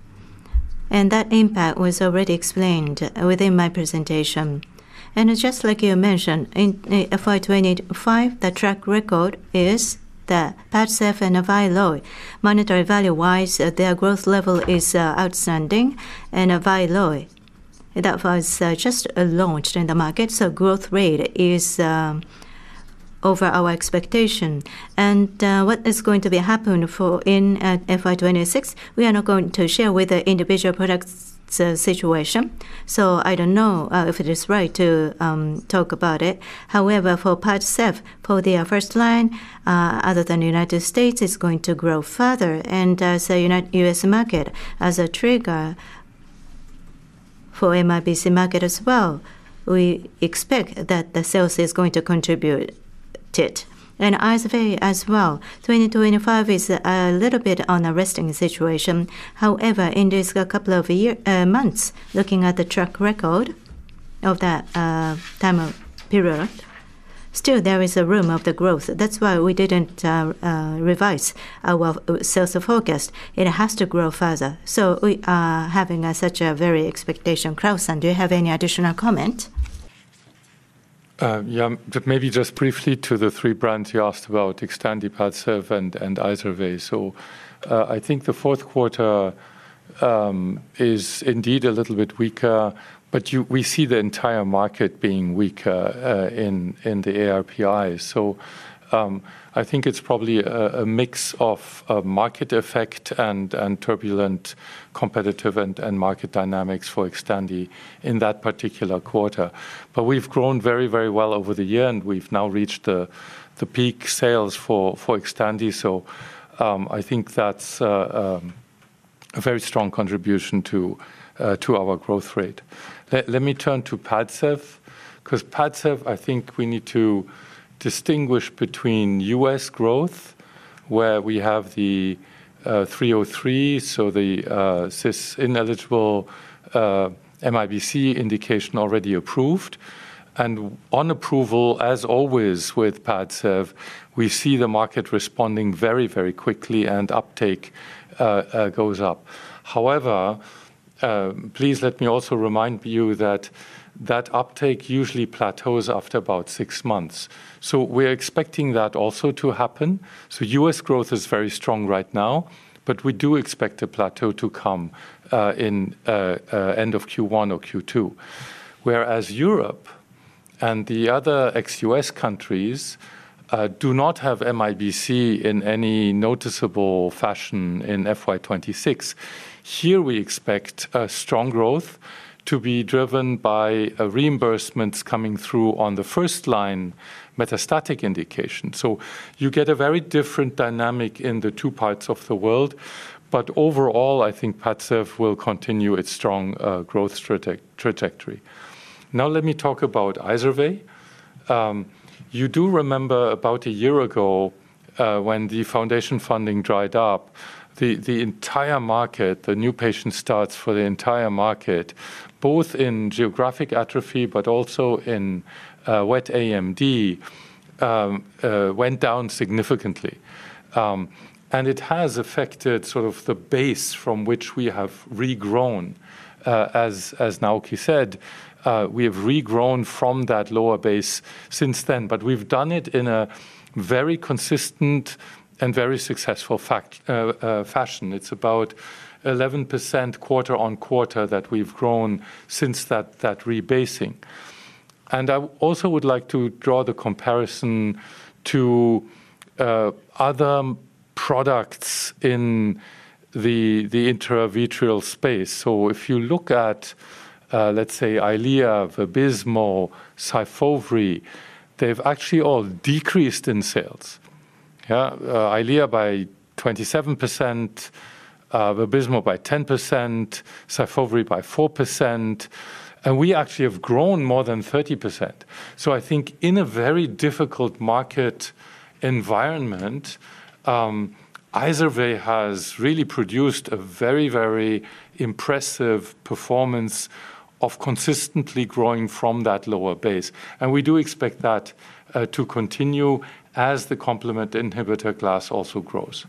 and that impact was already explained within my presentation. Just like you mentioned, in FY 2025, the track record is that PADCEV and VYLOY, monetary value-wise, their growth level is outstanding, and VYLOY that was just launched in the market, so growth rate is over our expectation. What is going to happen for in FY 2026, we are not going to share with the individual products, so situation, so I don't know if it is right to talk about it. However, for PADCEV, for their first line, other than United States, it's going to grow further and as the U.S. market as a trigger for MIBC market as well, we expect that the sales is going to contribute to it. As of yet, as well, 2025 is a little bit of an interesting situation. However, in this couple of year, months, looking at the track record of that, time of period, still there is a room of the growth. That's why we didn't revise our sales forecast. It has to grow further. We are having such a very expectation. Claus, do you have any additional comment? Yeah, maybe just briefly to the three brands you asked about, XTANDI, PADCEV, and IZERVAY. I think the fourth quarter is indeed a little bit weaker, but we see the entire market being weaker in the ARPI. I think it's probably a mix of a market effect and turbulent competitive and market dynamics for XTANDI in that particular quarter. We've grown very, very well over the year, and we've now reached the peak sales for XTANDI. I think that's a very strong contribution to our growth rate. Let me turn to PADCEV, because PADCEV, I think we need to distinguish between U.S. growth, where we have the EV-303, so the cisplatin-ineligible MIBC indication already approved. On approval, as always with PADCEV, we see the market responding very, very quickly and uptake goes up. However, please let me also remind you that that uptake usually plateaus after about six months. We're expecting that also to happen. U.S. growth is very strong right now, but we do expect a plateau to come in end of Q1 or Q2. Whereas Europe and the other ex-U.S. countries do not have MIBC in any noticeable fashion in FY 2026. Here, we expect a strong growth to be driven by reimbursements coming through on the first line metastatic indication. You get a very different dynamic in the two parts of the world. Overall, I think PADCEV will continue its strong growth trajectory. Now, let me talk about IZERVAY. You do remember about a year ago, when the foundation funding dried up, the entire market, the new patient starts for the entire market, both in geographic atrophy but also in wet AMD, went down significantly. It has affected sort of the base from which we have regrown. As Naoki said, we have regrown from that lower base since then, but we've done it in a very consistent and very successful fashion. It's about 11% quarter-on-quarter that we've grown since that rebasing. I also would like to draw the comparison to other products in the intravitreal space. If you look at, let's say, Eylea, Vabysmo, Syfovre, they've actually all decreased in sales. Eylea by 27%, Vabysmo by 10%, Syfovre by 4%, and we actually have grown more than 30%. I think in a very difficult market environment, IZERVAY has really produced a very, very impressive performance of consistently growing from that lower base. We do expect that to continue as the complement inhibitor class also grows.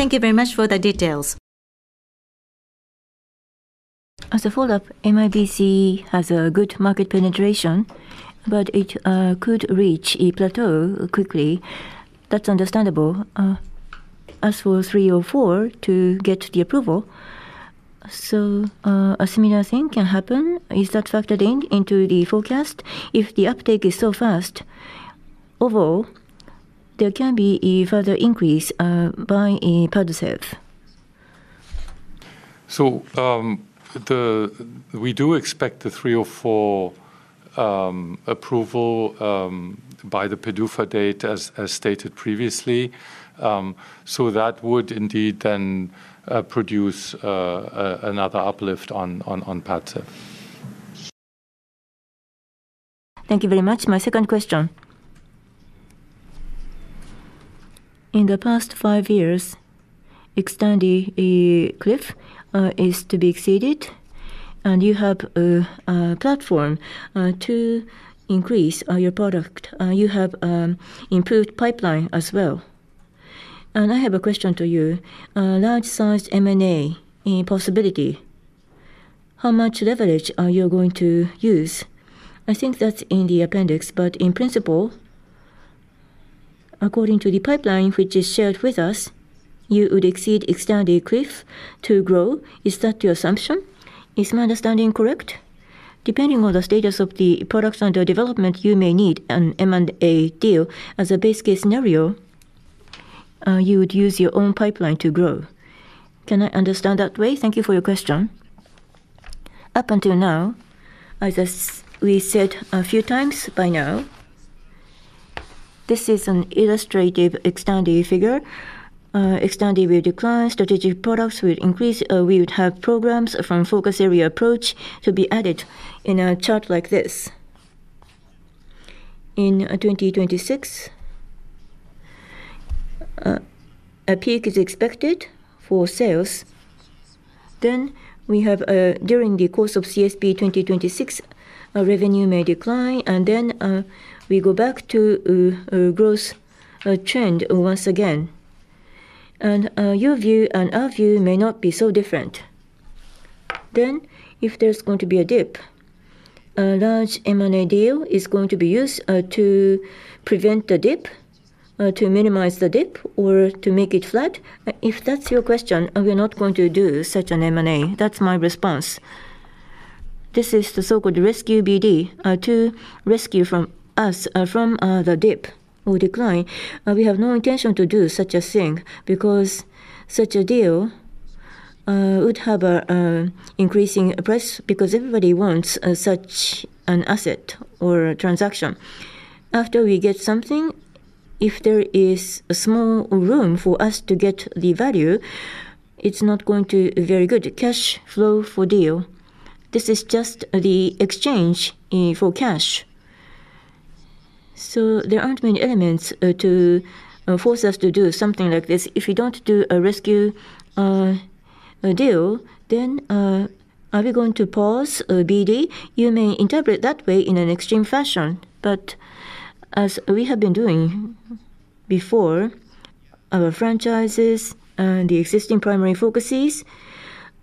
Thank you very much for the details. As a follow-up, MIBC has a good market penetration, but it could reach a plateau quickly. That's understandable. As for EV-304 to get the approval, a similar thing can happen. Is that factored in into the forecast? If the uptake is so fast, overall, there can be a further increase by PADCEV. We do expect the 304 approval by the PDUFA date as stated previously. That would indeed then produce another uplift on PADCEV. Thank you very much. My second question. In the past five years, XTANDI cliff is to be exceeded and you have a platform to increase your product. You have improved pipeline as well. I have a question to you. Large sized M&A, any possibility? How much leverage are you going to use? I think that's in the appendix, but in principle. According to the pipeline which is shared with us, you would exceed the XTANDI cliff to grow. Is that your assumption? Is my understanding correct? Depending on the status of the products under development, you may need an M&A deal. As a base case scenario, you would use your own pipeline to grow. Can I understand that way? Thank you for your question. Up until now, as we said a few times by now, this is an illustrative XTANDI figure. XTANDI will decline, strategic products will increase. We would have programs from focus area approach to be added in a chart like this. In 2026, a peak is expected for sales. Then we have, during the course of CSP 2026, our revenue may decline and then, we go back to a growth trend once again. Your view and our view may not be so different. If there's going to be a dip, a large M&A deal is going to be used to prevent the dip to minimize the dip or to make it flat. If that's your question, we're not going to do such an M&A. That's my response. This is the so-called rescue BD to rescue from the dip or decline. We have no intention to do such a thing because such a deal would have an increasing price because everybody wants such an asset or a transaction. After we get something, if there is a small room for us to get the value, it's not going to very good cash flow for deal. This is just the exchange for cash. There aren't many elements to force us to do something like this. If we don't do a rescue a deal, then are we going to pause BD? You may interpret that way in an extreme fashion. As we have been doing before, our franchises and the existing primary focuses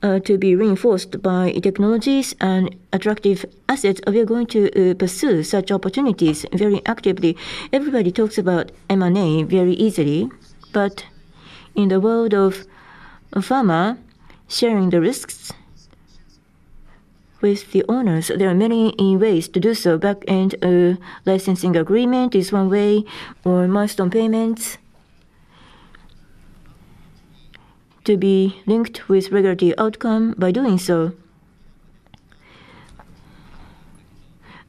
to be reinforced by technologies and attractive assets we are going to pursue such opportunities very actively. Everybody talks about M&A very easily, but in the world of pharma, sharing the risks with the owners, there are many ways to do so. Back-end licensing agreement is one way or milestone payments to be linked with regulatory outcome by doing so.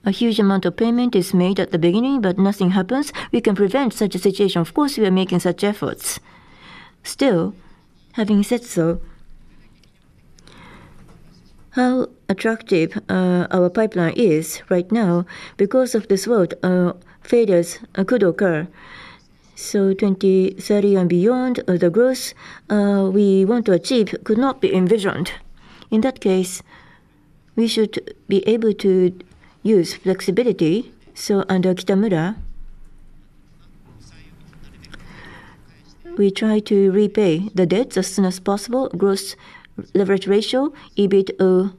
A huge amount of payment is made at the beginning, but nothing happens. We can prevent such a situation. Of course, we are making such efforts. Still, having said so, how attractive our pipeline is right now, because worst failures could occur. 2030 and beyond, the growth we want to achieve could not be envisioned. In that case, we should be able to use flexibility. Under Kitamura, we try to repay the debts as soon as possible. Gross leverage ratio EBITDA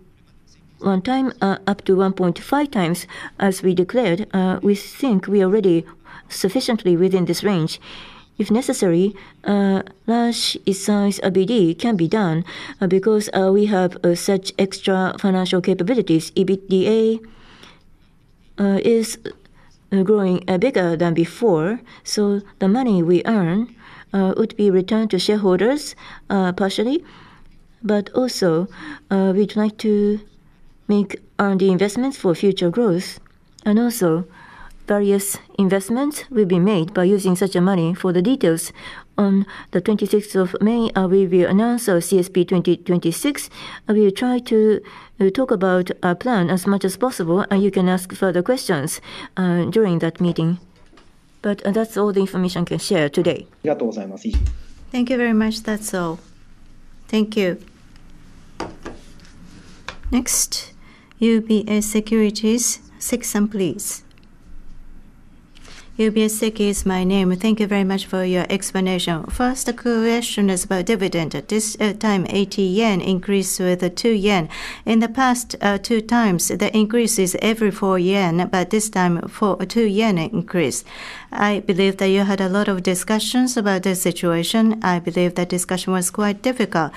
1x up to 1.5x as we declared. We think we are already sufficiently within this range. If necessary, a large size BD can be done, because we have such extra financial capabilities. EBITDA is growing bigger than before, so the money we earn would be returned to shareholders partially. Also, we'd like to make R&D investments for future growth. Various investments will be made by using such a money. For details on May 26, we will announce our CSP 2026. We will try to talk about our plan as much as possible, and you can ask further questions during that meeting. That's all the information I can share today. Thank you very much. That's all. Thank you. Next, UBS Securities. Seki, please. Seki is my name. Thank you very much for your explanation. First question is about dividend. At this time, 80 yen increased with the 2 yen. In the past two times, the increase is every 4 yen, but this time 2 yen increase. I believe that you had a lot of discussions about this situation. I believe the discussion was quite difficult.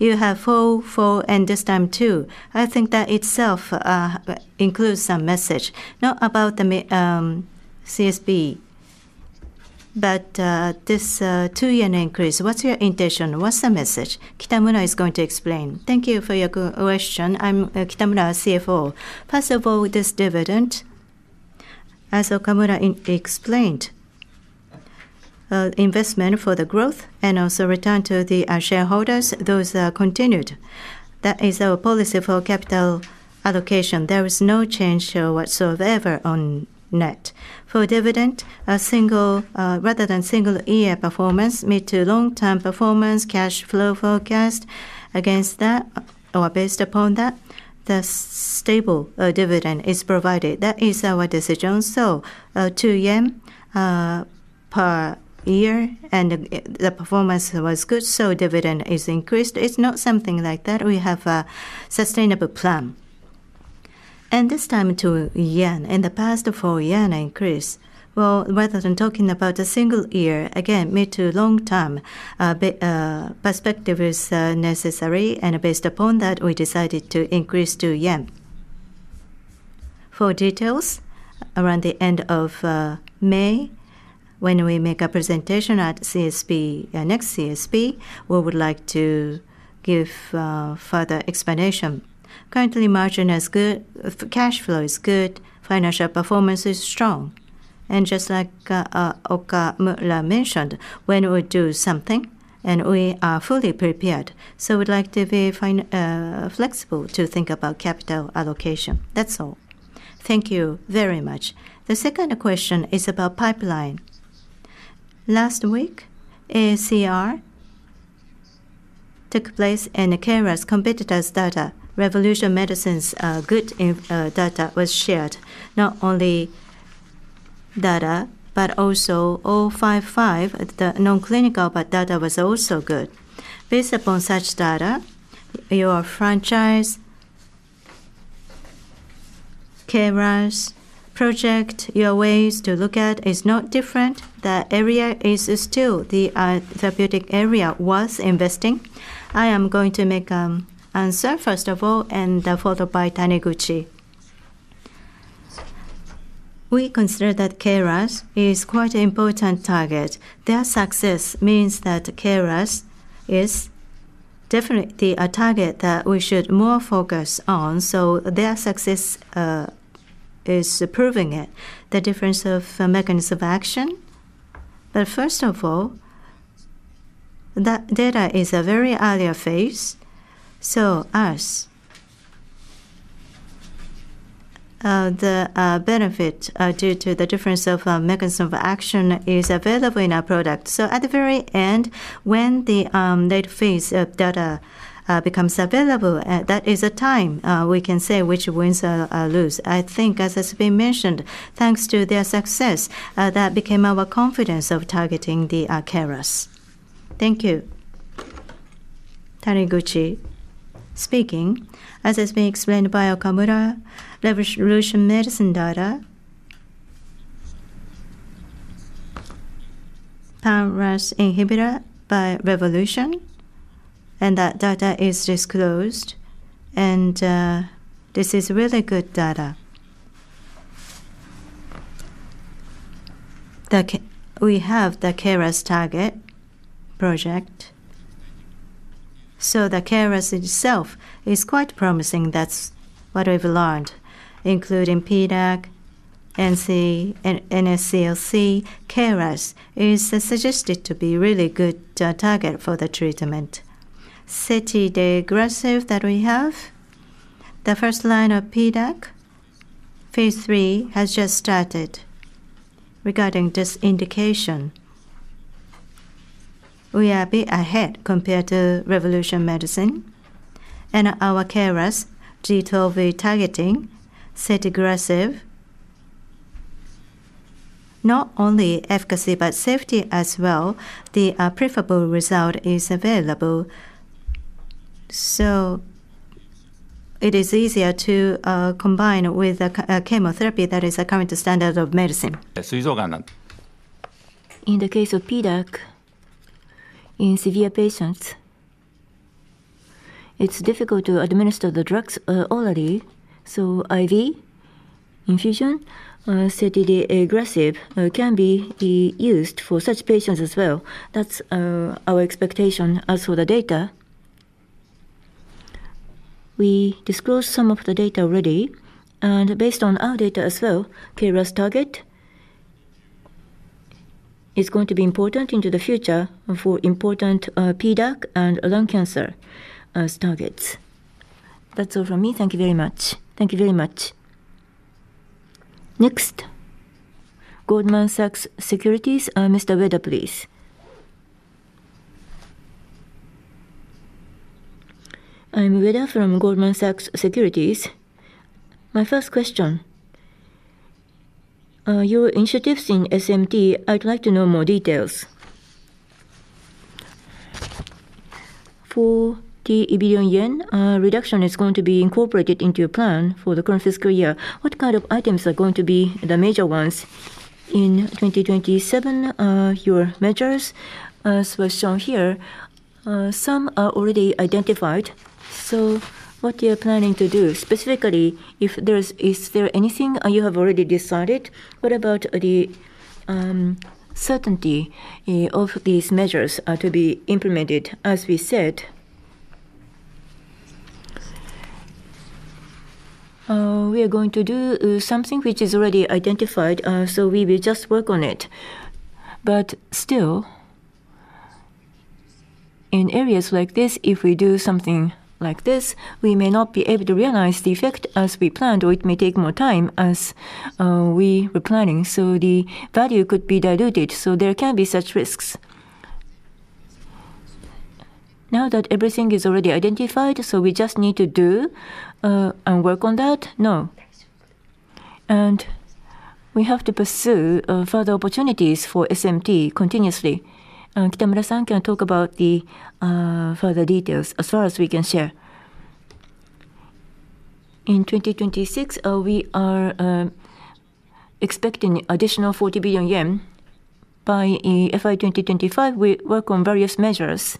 You have 4, 4, and this time 2. I think that itself includes some message. Now about the CSP. This JPY 2 increase, what's your intention? What's the message? Kitamura is going to explain. Thank you for your question. I'm Kitamura, CFO. First of all, this dividend, as Okamura explained, investment for the growth and also return to the shareholders, those are continued. That is our policy for capital allocation. There is no change whatsoever on net. For dividend, a single, rather than single year performance, mid to long-term performance, cash flow forecast, against that or based upon that, the stable dividend is provided. That is our decision. 2 yen per year and the performance was good, so dividend is increased. It's not something like that. We have a sustainable plan. This time to yen. In the past, for yen increase. Well, rather than talking about a single year, again, mid to long term perspective is necessary and based upon that, we decided to increase to yen. For details, around the end of May, when we make a presentation at CSP, next CSP, we would like to give further explanation. Currently, margin is good. Free cash flow is good. Financial performance is strong. Just like Okamura mentioned, when we do something and we are fully prepared, so we'd like to be flexible to think about capital allocation. That's all. Thank you very much. The second question is about pipeline. Last week, AACR took place and KRAS competitors' data, Revolution Medicines, good data was shared. Not only data, but also oh five five, the non-clinical data was also good. Based upon such data, your franchise, KRAS project, your ways to look at is not different. The area is still the therapeutic area worth investing. I am going to make answer first of all, and followed by Taniguchi. We consider that KRAS is quite an important target. Their success means that KRAS is definitely a target that we should more focus on, so their success is proving it. The difference of mechanism of action. But first of all, that data is a very early phase. So, the benefit due to the difference of mechanism of action is available in our product. At the very end, when the late phase data becomes available, that is the time we can say which wins or lose. I think as has been mentioned, thanks to their success, that became our confidence of targeting the KRAS. Thank you. Taniguchi speaking. As has been explained by Okamura, Revolution Medicines data. PARP inhibitor by Revolution, and that data is disclosed. This is really good data. We have the KRAS target project. The KRAS itself is quite promising. That's what we've learned, including PDAC, NSCLC. KRAS is suggested to be really good target for the treatment. Setidegrasib that we have. The first line of PDAC phase III has just started regarding this indication. We are a bit ahead compared to Revolution Medicines. Our KRAS G12V targeting setidegrasib, not only efficacy, but safety as well. The preferable result is available, so it is easier to combine with chemotherapy that is a current standard of medicine. In the case of PDAC, in severe patients, it's difficult to administer the drugs orally. IV infusion setidegrasib can be used for such patients as well. That's our expectation. As for the data, we disclosed some of the data already. Based on our data as well, KRAS target is going to be important into the future for important PDAC and lung cancer as targets. That's all from me. Thank you very much. Thank you very much. Next, Goldman Sachs Securities, Mr. Ueda, please. I'm Ueda from Goldman Sachs. My first question, your initiatives in SMT, I'd like to know more details. For the JPY 1 billion reduction is going to be incorporated into your plan for the current fiscal year. What kind of items are going to be the major ones? In 2027, your measures was shown here. Some are already identified, so what you're planning to do? Specifically, if there is there anything you have already decided? What about the certainty of these measures to be implemented? As we said, we are going to do something which is already identified, so we will just work on it. Still, in areas like this, if we do something like this, we may not be able to realize the effect as we planned, or it may take more time as we were planning. The value could be diluted, so there can be such risks. Now that everything is already identified, so we just need to do, and work on that? No. We have to pursue further opportunities for SMT continuously. Kitamura-san can talk about the further details as far as we can share. In 2026, we are expecting additional 40 billion yen. By FY 2025, we work on various measures,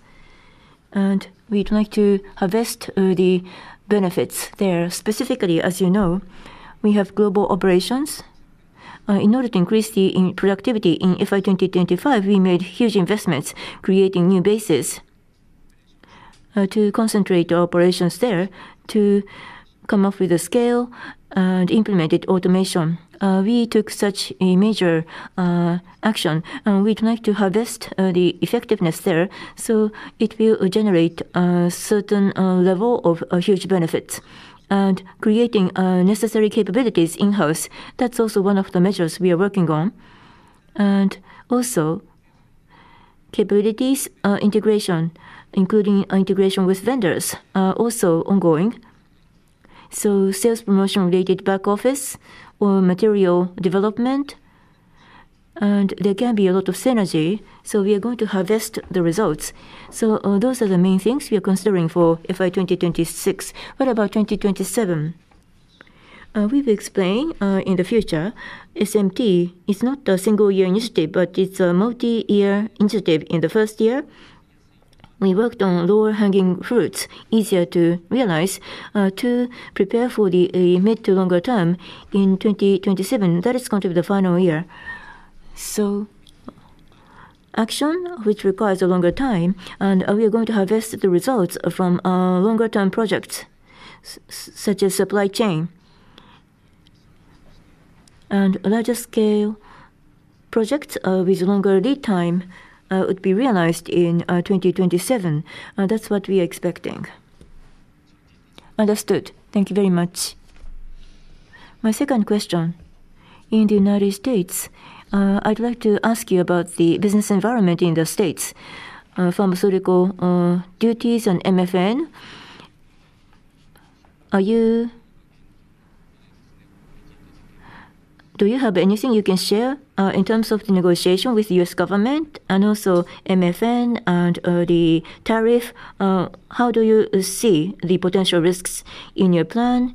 and we'd like to harvest the benefits there. Specifically, as you know, we have global operations. In order to increase the productivity in FY 2025, we made huge investments creating new bases to concentrate our operations there to achieve scale and implemented automation. We took such a major action, and we'd like to harvest the effectiveness there, so it will generate a certain level of huge benefits. Creating necessary capabilities in-house, that's also one of the measures we are working on. Capabilities integration, including integration with vendors, are also ongoing. Sales promotion related back office or material development, and there can be a lot of synergy, so we are going to harvest the results. Those are the main things we are considering for FY 2026. What about 2027? We will explain in the future. SMT is not a single year initiative, but it's a multi-year initiative. In the first year, we worked on lower hanging fruits, easier to realize, to prepare for the mid to longer term in 2027. That is going to be the final year. Actions which require a longer time, and we are going to harvest the results from longer term projects such as supply chain. Larger scale projects with longer lead time would be realized in 2027. That's what we are expecting. Understood. Thank you very much. My second question. In the United States, I'd like to ask you about the business environment in the States. Pharmaceutical duties and MFN. Do you have anything you can share in terms of the negotiation with U.S. government and also MFN and the tariff? How do you see the potential risks in your plan?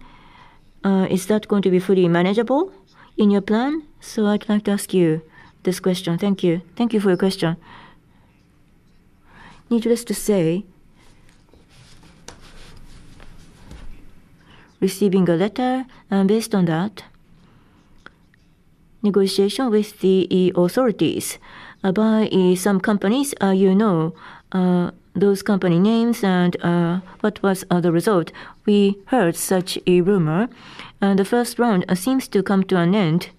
Is that going to be fully manageable in your plan? I'd like to ask you this question. Thank you. Thank you for your question. Needless to say, receiving a letter and based on that, negotiation with the authorities by some companies, you know, those company names and what was the result. We heard such a rumor, and the first round seems to come to an end.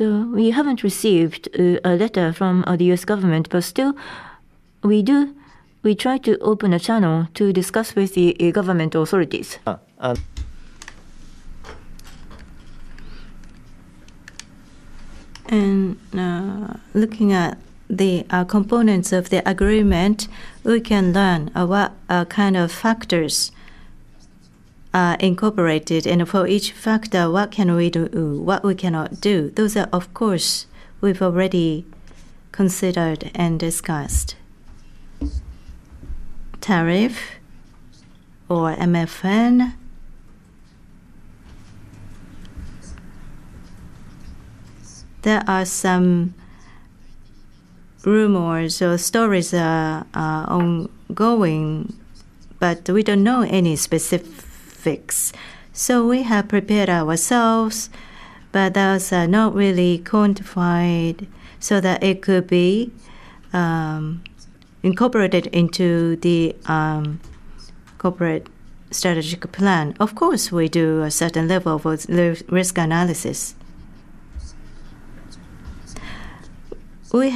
We haven't received a letter from the U.S. government, but still we try to open a channel to discuss with the government authorities. Looking at the components of the agreement, we can learn what kind of factors are incorporated and for each factor, what can we do, what we cannot do. Those are, of course, we've already considered and discussed. Tariff or MFN, there are some rumors or stories are ongoing, but we don't know any specifics. We have prepared ourselves, but those are not really quantified so that it could be incorporated into the Corporate Strategic Plan. Of course, we do a certain level of low-risk analysis. We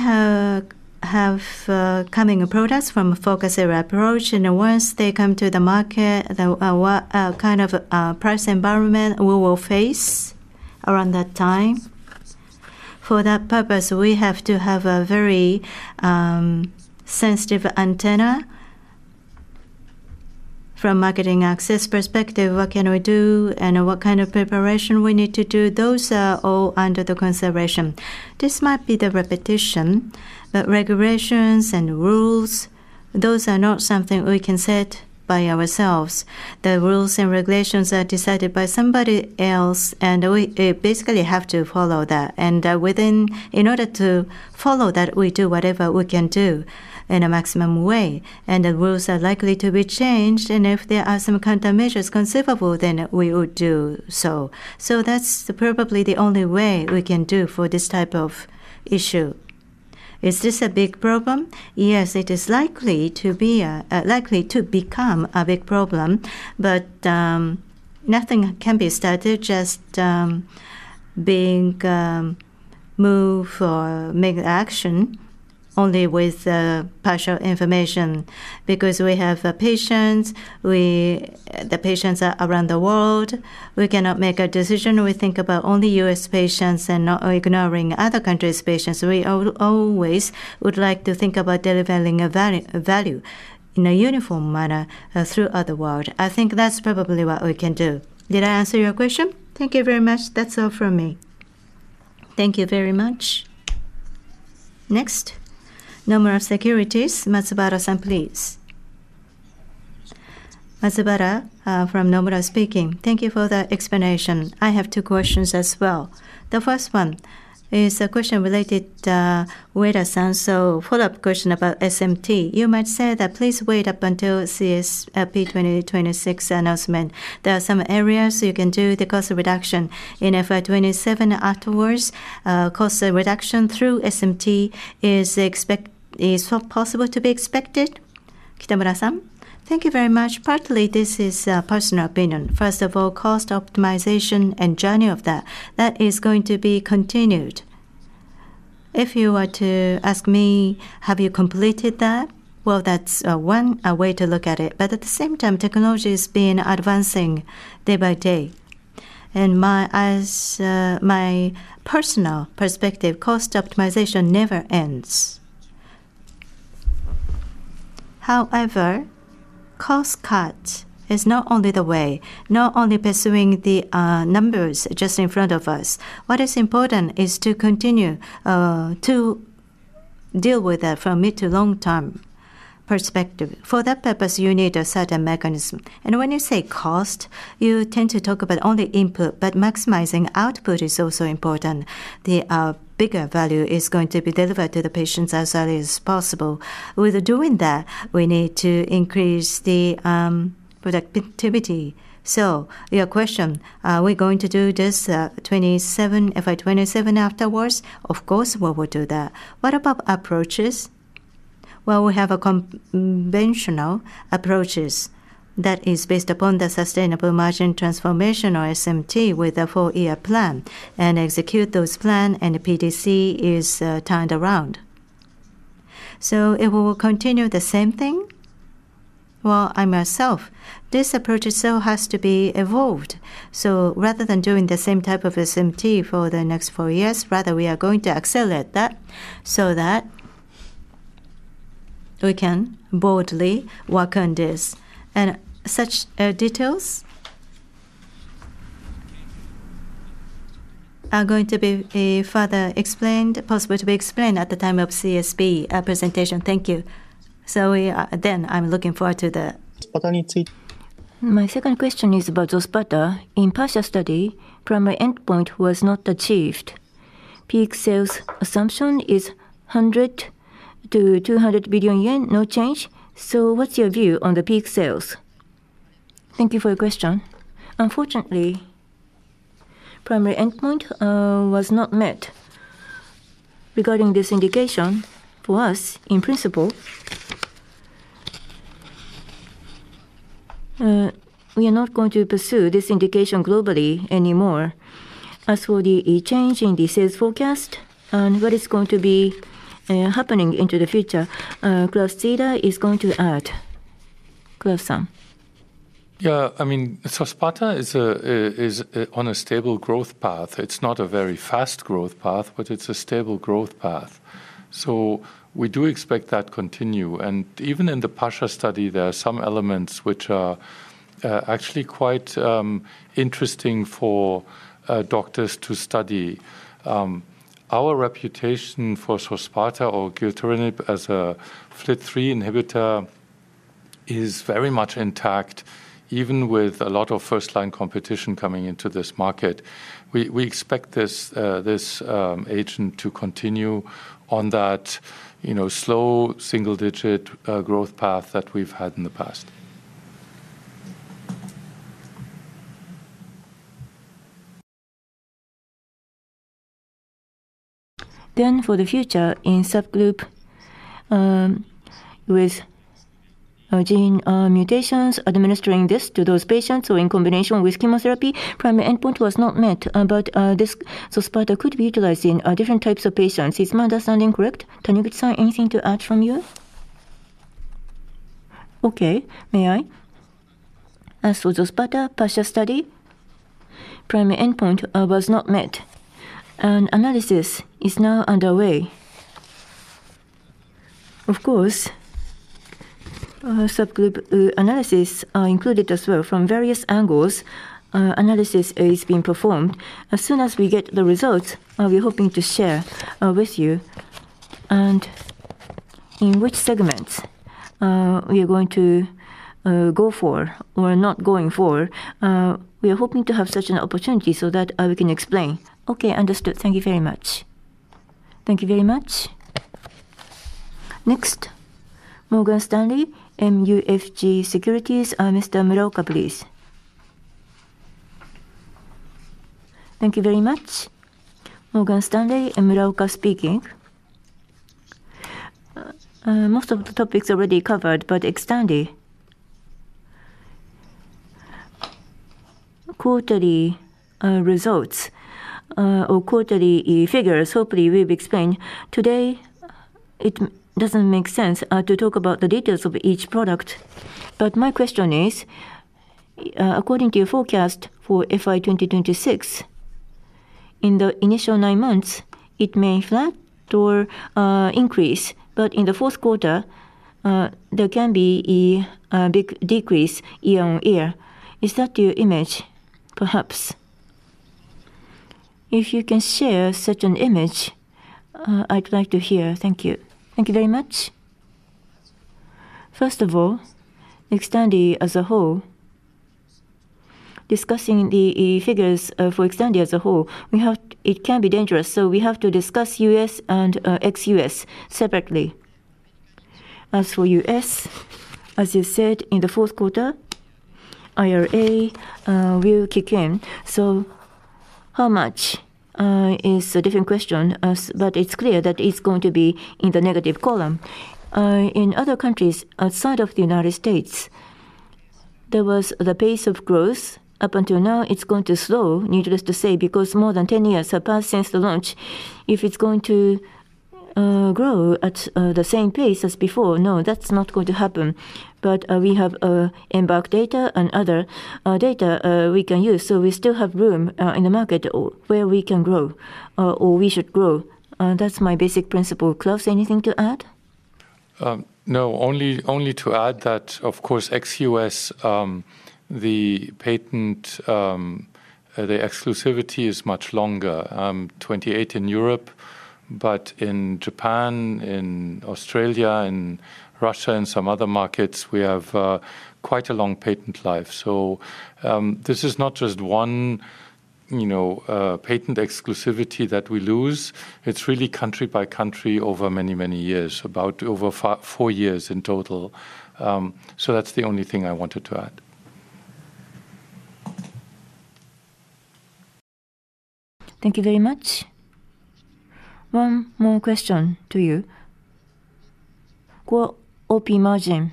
have coming products from a focus area approach, and once they come to the market, what kind of price environment we will face around that time. For that purpose, we have to have a very sensitive antenna. From marketing access perspective, what can we do and what kind of preparation we need to do, those are all under the consideration. This might be the repetition, but regulations and rules, those are not something we can set by ourselves. The rules and regulations are decided by somebody else, and we basically have to follow that. In order to follow that, we do whatever we can do in a maximum way, and the rules are likely to be changed. If there are some countermeasures conceivable, then we would do so. That's probably the only way we can do for this type of issue. Is this a big problem? Yes, it is likely to become a big problem. Nothing can be started just move or make action only with partial information. Because we have patients, the patients are around the world. We cannot make a decision, we think about only U.S. patients and not ignoring other countries' patients. We always would like to think about delivering a value in a uniform manner throughout the world. I think that's probably what we can do. Did I answer your question? Thank you very much. That's all from me. Thank you very much. Next, Nomura Securities, Matsubara-san, please. Matsubara from Nomura speaking. Thank you for the explanation. I have two questions as well. The first one is a question related, Ueda-san. So follow-up question about SMT. You might say that please wait up until CSP 2026 announcement. There are some areas you can do the cost reduction. In FY 2027 afterwards, cost reduction through SMT is possible to be expected. Kitamura-san? Thank you very much. Partly, this is personal opinion. First of all, cost optimization and journey of that is going to be continued. If you were to ask me, have you completed that? Well, that's one way to look at it. At the same time, technology is been advancing day by day. As my personal perspective, cost optimization never ends. However, cost cut is not only the way, not only pursuing the numbers just in front of us. What is important is to continue to deal with that from mid to long term perspective. For that purpose, you need a certain mechanism. When you say cost, you tend to talk about only input, but maximizing output is also important. The bigger value is going to be delivered to the patients as early as possible. With doing that, we need to increase the productivity. Your question, are we going to do this 2027, FY 2027 afterwards? Of course, we will do that. What about approaches? Well, we have a conventional approaches that is based upon the sustainable margin transformation or SMT with a four-year plan and execute those plan and the PDCA is turned around. It will continue the same thing? Well, I myself, this approach so has to be evolved. Rather than doing the same type of SMT for the next four years, rather we are going to accelerate that so that we can boldly work on this. Such details are going to be further explained, possible to be explained at the time of CSP presentation. Thank you. Then I'm looking forward to that. My second question is about XOSPATA. In partial study, primary endpoint was not achieved. Peak sales assumption is 100 billion-200 billion yen, no change. What's your view on the peak sales? Thank you for your question. Unfortunately, primary endpoint was not met. Regarding this indication, for us, in principle, we are not going to pursue this indication globally anymore. As for the change in the sales forecast and what is going to be happening into the future, Claus Zieler is going to add. Zieler-san. Yeah. I mean, XOSPATA is on a stable growth path. It's not a very fast growth path, but it's a stable growth path. We do expect that continue. Even in the PASHA study, there are some elements which are actually quite interesting for doctors to study. Our reputation for XOSPATA or gilteritinib as a FLT3 inhibitor is very much intact, even with a lot of first line competition coming into this market. We expect this agent to continue on that, you know, slow single digit growth path that we've had in the past. For the future, in subgroup with gene mutations, administering this to those patients or in combination with chemotherapy, primary endpoint was not met. But this XOSPATA could be utilized in different types of patients. Is my understanding correct? Taniguchi-san, anything to add from you? Okay. May I? As for XOSPATA PASHA study, primary endpoint was not met, and analysis is now underway. Of course, subgroup analysis are included as well. From various angles, analysis is being performed. As soon as we get the results, we're hoping to share with you and in which segments we are going to go for or not going for, we are hoping to have such an opportunity so that we can explain. Okay, understood. Thank you very much. Thank you very much. Next, Morgan Stanley MUFG Securities, Mr. Muraoka, please. Thank you very much. Morgan Stanley, Muraoka speaking. Most of the topics already covered, XTANDI. Quarterly results or quarterly figures, hopefully we've explained. Today it doesn't make sense to talk about the details of each product, but my question is, according to your forecast for FY 2026, in the initial nine months it may flat or increase. In the fourth quarter, there can be a big decrease year-on-year. Is that your image, perhaps? If you can share such an image, I'd like to hear. Thank you. Thank you very much. First of all, XTANDI as a whole. Discussing the figures for XTANDI as a whole, we have, it can be dangerous, so we have to discuss U.S. and ex-U.S. separately. As for U.S., as you said, in the fourth quarter, IRA will kick in. How much is a different question, but it's clear that it's going to be in the negative column. In other countries outside of the United States, the pace of growth up until now is going to slow, needless to say, because more than 10 years have passed since the launch. If it's going to grow at the same pace as before, no, that's not going to happen. We have EMBARK data and other data we can use, so we still have room in the market or where we can grow or we should grow. That's my basic principle. Claus, anything to add? No, only to add that, of course, ex-U.S., the patent, the exclusivity is much longer, 28 in Europe, but in Japan, in Australia, in Russia, and some other markets, we have quite a long patent life. This is not just one, you know, patent exclusivity that we lose. It's really country by country over many, many years, about over four years in total. That's the only thing I wanted to add. Thank you very much. One more question to you. OP margin,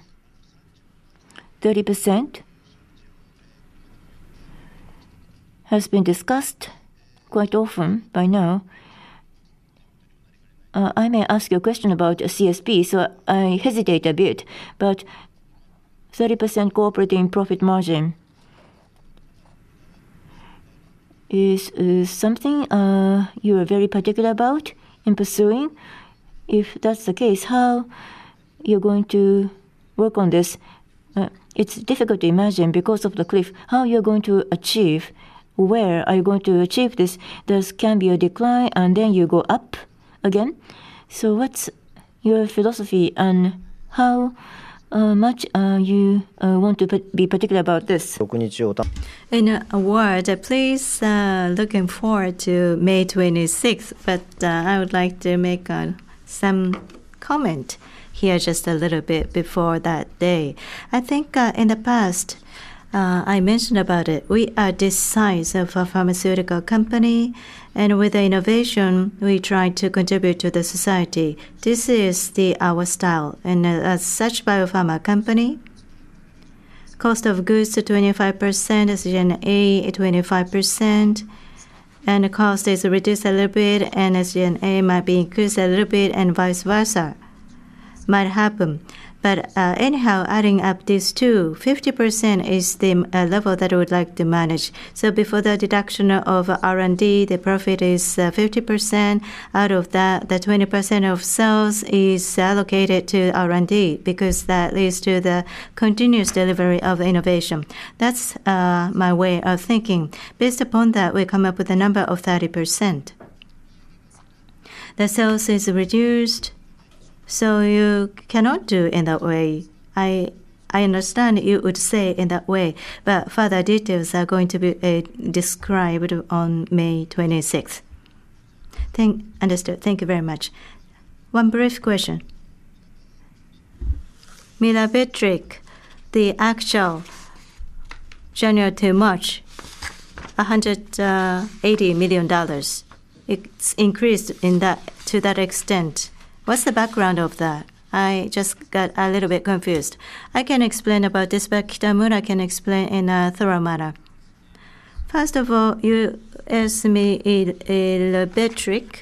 30% has been discussed quite often by now. I may ask you a question about CSP, so I hesitate a bit, but 30% Core Operating Profit margin is something you are very particular about in pursuing? If that's the case, how you're going to work on this? It's difficult to imagine because of the cliff, how you're going to achieve, where are you going to achieve this? This can be a decline, and then you go up again. What's your philosophy, and how much you want to be particular about this? In a word, please, looking forward to May 26th, but I would like to make some comment here just a little bit before that day. I think in the past I mentioned about it. We are this size of a pharmaceutical company, and with innovation, we try to contribute to the society. This is our style. As such biopharma company, cost of goods to 25%, SG&A at 25%, and cost is reduced a little bit, and SG&A might be increased a little bit, and vice versa might happen. Anyhow, adding up these two, 50% is the margin level that we would like to manage. Before the deduction of R&D, the profit is 50%. Out of that, the 20% of sales is allocated to R&D because that leads to the continuous delivery of innovation. That's my way of thinking. Based upon that, we come up with a number of 30%. The sales is reduced, so you cannot do in that way. I understand you would say in that way, but further details are going to be described on May 26. Understood. Thank you very much. One brief question. Mirabegron, the actual January to March, $180 million. It's increased to that extent. What's the background of that? I just got a little bit confused. I can explain about this, but Kitamura can explain in a thorough manner. First of all, you asked me if Betmiga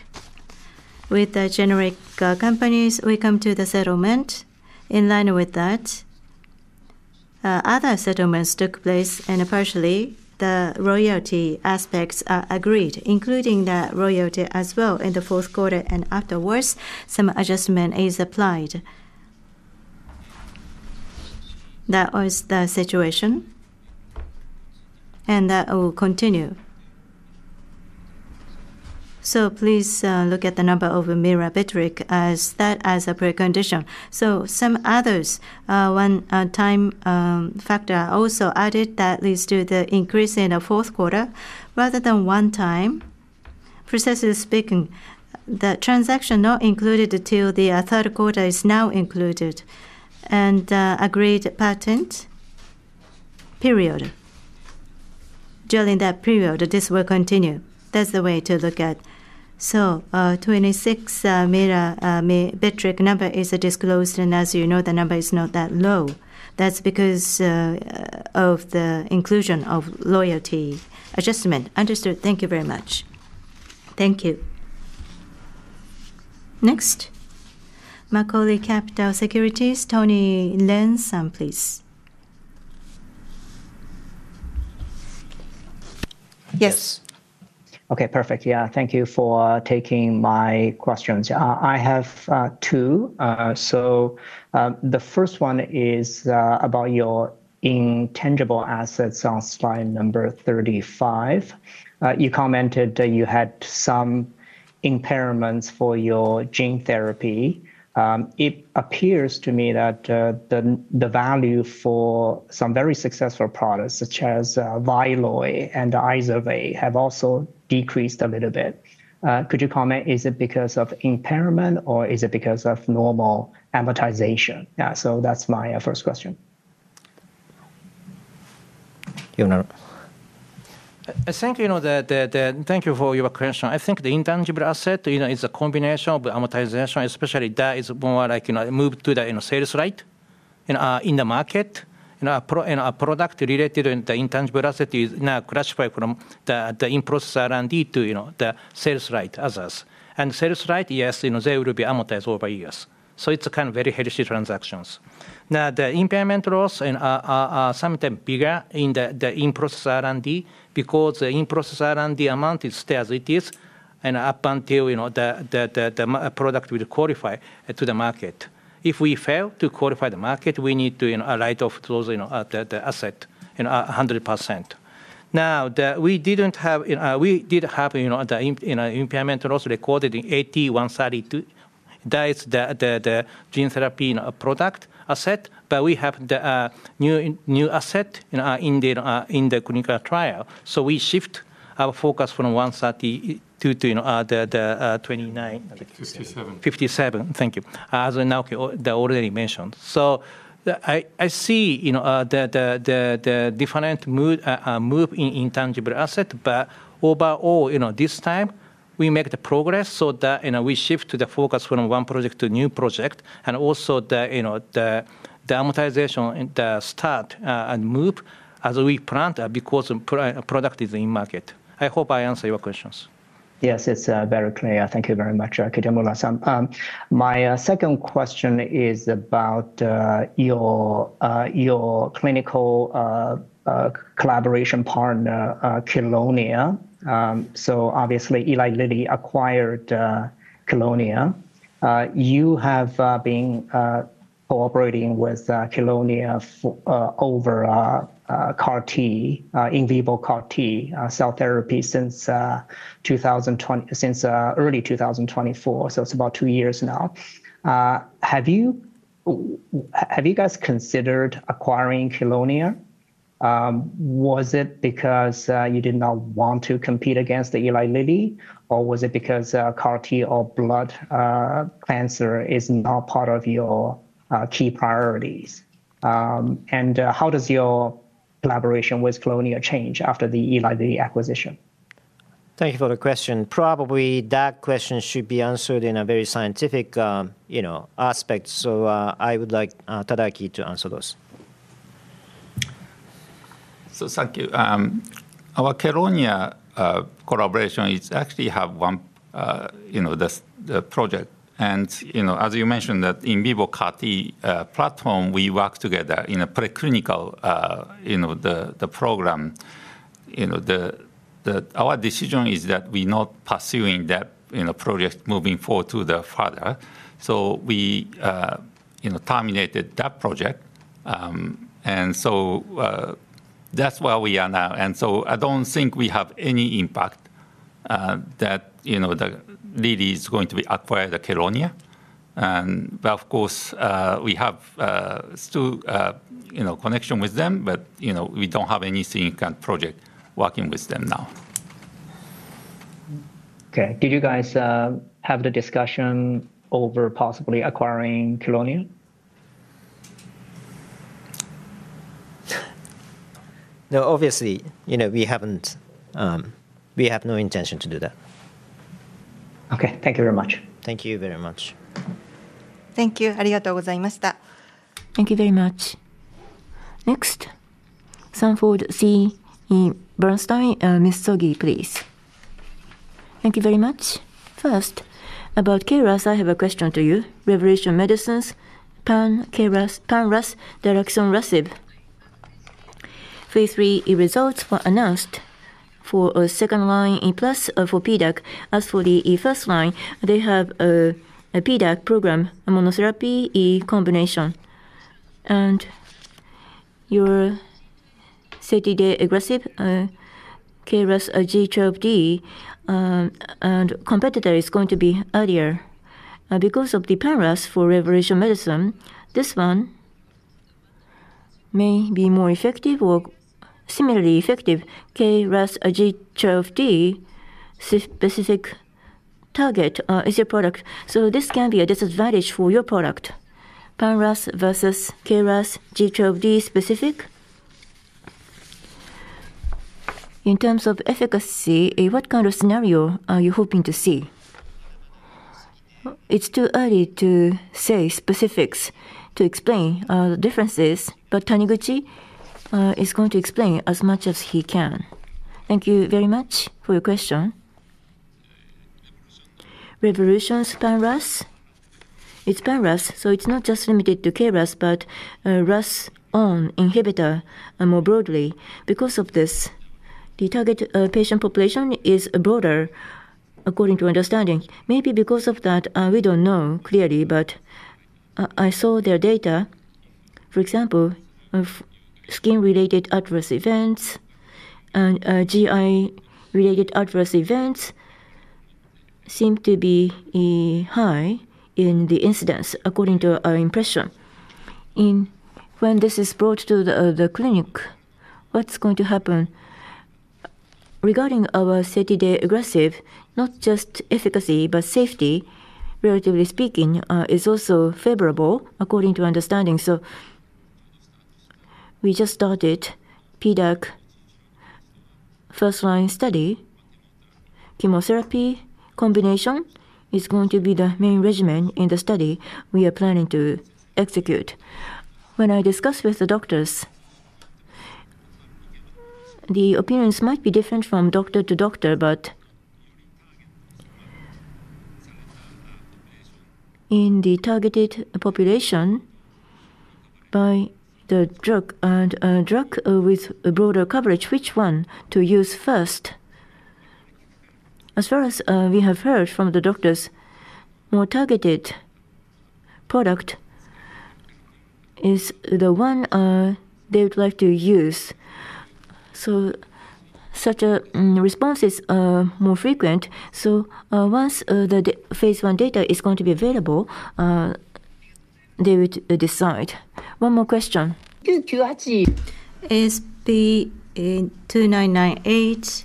with the generic companies will come to the settlement. In line with that, other settlements took place, and partially the royalty aspects are agreed, including the royalty as well in the fourth quarter and afterwards, some adjustment is applied. That was the situation, and that will continue. Please look at the number of mirabegron as that as a precondition. Some others one time factor also added that leads to the increase in the fourth quarter, rather than one time. Precisely speaking, the transaction not included until the third quarter is now included and agreed patent period. During that period, this will continue. That's the way to look at. 26 Betmiga number is disclosed, and as you know, the number is not that low. That's because of the inclusion of royalty adjustment. Understood. Thank you very much. Thank you. Next, Macquarie Capital Securities, Tony Ren-san, please. Okay, perfect. Yeah, thank you for taking my questions. I have two. The first one is about your intangible assets on slide number 35. You commented that you had some impairments for your gene therapy. It appears to me that the value for some very successful products such as VYLOY and IZERVAY have also decreased a little bit. Could you comment? Is it because of impairment or is it because of normal amortization? Yeah, that's my first question. Thank you for your question. I think the intangible asset, you know, is a combination of amortization, especially that is more like, you know, moved to the sales right in the market. You know, a product-related intangible asset is now classified from the in-process R&D to the sales right assets. Sales right, yes, you know, they will be amortized over years. It's a kind of very healthy transactions. Now, the impairment loss and sometimes bigger in the in-process R&D because the in-process R&D amount is still as it is and up until the product will qualify to the market. If we fail to qualify the market, we need to, you know, write off those, you know, the asset, you know, 100%. We didn't have, you know. We did have, you know, the impairment loss recorded in AT132. That's the gene therapy in a product asset, but we have the new asset, you know, in the clinical trial. So we shift our focus from AT132 to, you know, the ASP2957. 57. 57. Thank you. As Naoki already mentioned. I see, you know, the different move in intangible asset, but overall, you know, this time we make the progress so that, you know, we shift the focus from one project to new project. Also the, you know, the amortization start and move as we planned, because product is in market. I hope I answer your questions. Yes, it's very clear. Thank you very much, Kitamura-san. My second question is about your clinical collaboration partner, Kelonia. So obviously, Eli Lilly acquired Kelonia. You have been cooperating with Kelonia over CAR-T, in vivo CAR-T cell therapy since early 2024, so it's about two years now. Have you guys considered acquiring Kelonia? Was it because you did not want to compete against Eli Lilly, or was it because CAR-T or blood cancer is not part of your key priorities? How does your collaboration with Kelonia change after the Eli Lilly acquisition? Thank you for the question. Probably that question should be answered in a very scientific aspect. I would like Tadaaki to answer those. Thank you. Our Kelonia collaboration actually have one, you know, this, the project. You know, as you mentioned that in vivo CAR-T platform, we work together in a preclinical, you know, the program. You know, our decision is that we're not pursuing that, you know, project moving forward to the further. We, you know, terminated that project. That's where we are now. I don't think we have any impact that, you know, Eli Lilly is going to acquire Kelonia. But of course, we have still, you know, connection with them, but, you know, we don't have any specific project working with them now. Okay. Did you guys have the discussion over possibly acquiring Kelonia? No. Obviously, you know, we have no intention to do that. Okay. Thank you very much. Thank you very much. Thank you very much. Next, Sanford C. Bernstein, Ms. Sogi, please. Thank you very much. First, about KRAS, I have a question to you. Revolution Medicines, pan-KRAS, pan-RAS daraxonrasib. Phase III results were announced for a second line plus for PDAC. As for the first line, they have a PDAC program, a monotherapy, a combination. Your setidegrasib KRAS G12D and competitor is going to be earlier. Because of the pan-RAS for Revolution Medicines, this one may be more effective or similarly effective. KRAS G12D specific target is your product. So this can be a disadvantage for your product. Pan-RAS versus KRAS G12D specific. In terms of efficacy, what kind of scenario are you hoping to see? It's too early to say specifics to explain the differences, but Taniguchi is going to explain as much as he can. Thank you very much for your question. Revolution Medicines pan-RAS. It's pan-RAS, so it's not just limited to KRAS, but RAS inhibitor, more broadly. Because of this, the target patient population is broader according to understanding. Maybe because of that, we don't know clearly, but I saw their data, for example, of skin-related adverse events and GI-related adverse events seem to be high in the incidence according to our impression. When this is brought to the clinic, what's going to happen? Regarding our setidegrasib, not just efficacy, but safety, relatively speaking, is also favorable according to understanding. We just started PDAC first-line study. Chemotherapy combination is going to be the main regimen in the study we are planning to execute. When I discuss with the doctors, the opinions might be different from doctor to doctor, but in the targeted population by the drug and a drug with a broader coverage, which one to use first? As far as we have heard from the doctors, more targeted product is the one they would like to use. Such a response is more frequent, so once the phase I data is going to be available, they would decide. One more question. Thank you. Actually, is the ASP2998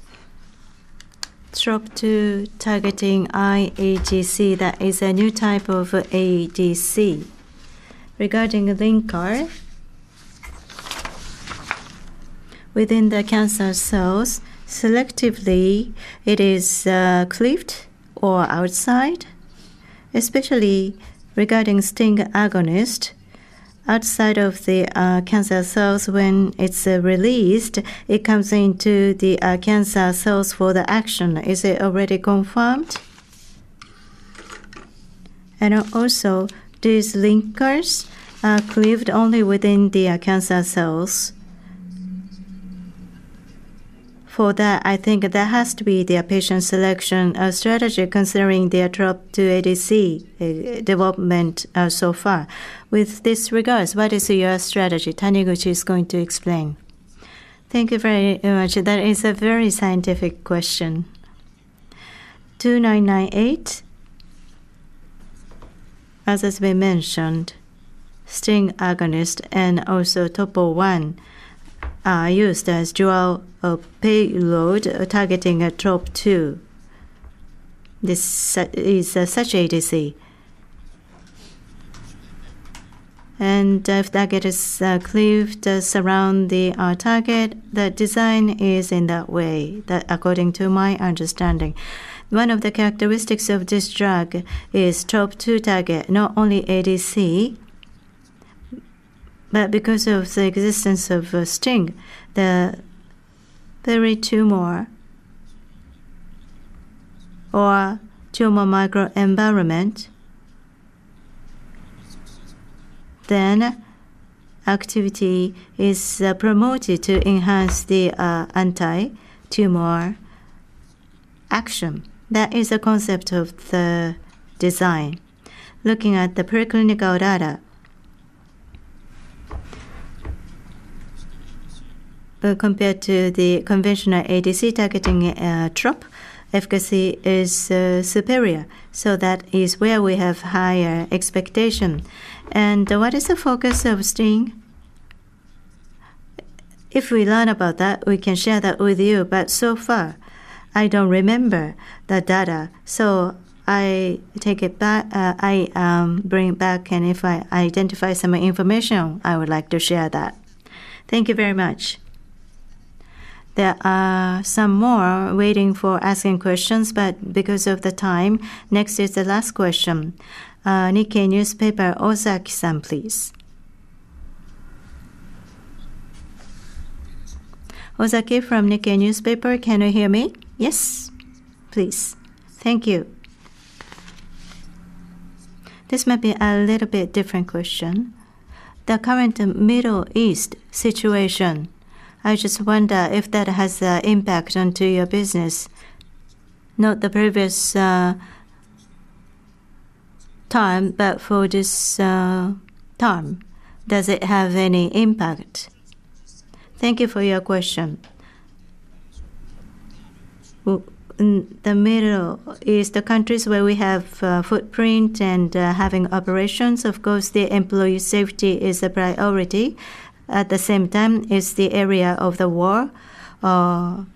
Trop-2 targeting iAGC that is a new type of ADC? Regarding the linker, within the cancer cells, selectively it is cleaved or outside, especially regarding STING agonist. Outside of the cancer cells when it's released, it comes into the cancer cells for the action. Is it already confirmed? Also, these linkers are cleaved only within the cancer cells. For that, I think there has to be their patient selection strategy considering their Trop-2 ADC development so far. With regard, what is your strategy? Taniguchi is going to explain. Thank you very much. That is a very scientific question. ASP2998, as has been mentioned, STING agonist and also Topo-1 are used as dual payload targeting Trop-2. This is such ADC. If it is cleaved around the target, the design is in that way, according to my understanding. One of the characteristics of this drug is Trop-2 target, not only ADC, but because of the existence of STING, the tumor or tumor microenvironment, then activity is promoted to enhance the anti-tumor action. That is the concept of the design. Looking at the preclinical data, though compared to the conventional ADC targeting, Trop, efficacy is superior. That is where we have higher expectation. What is the focus of STING? If we learn about that, we can share that with you. So far, I don't remember the data. I take it back. I bring it back, and if I identify some information, I would like to share that. Thank you very much. There are some more waiting for asking questions, but because of the time, next is the last question. Nikkei newspaper, Ozaki-san, please. Ozaki from Nikkei newspaper. Can you hear me? Yes. Please. Thank you. This might be a little bit different question. The current Middle East situation, I just wonder if that has a impact onto your business. Not the previous time, but for this time. Does it have any impact? Thank you for your question. In the Middle East, the countries where we have footprint and having operations, of course, the employee safety is a priority. At the same time, it's the area of the war.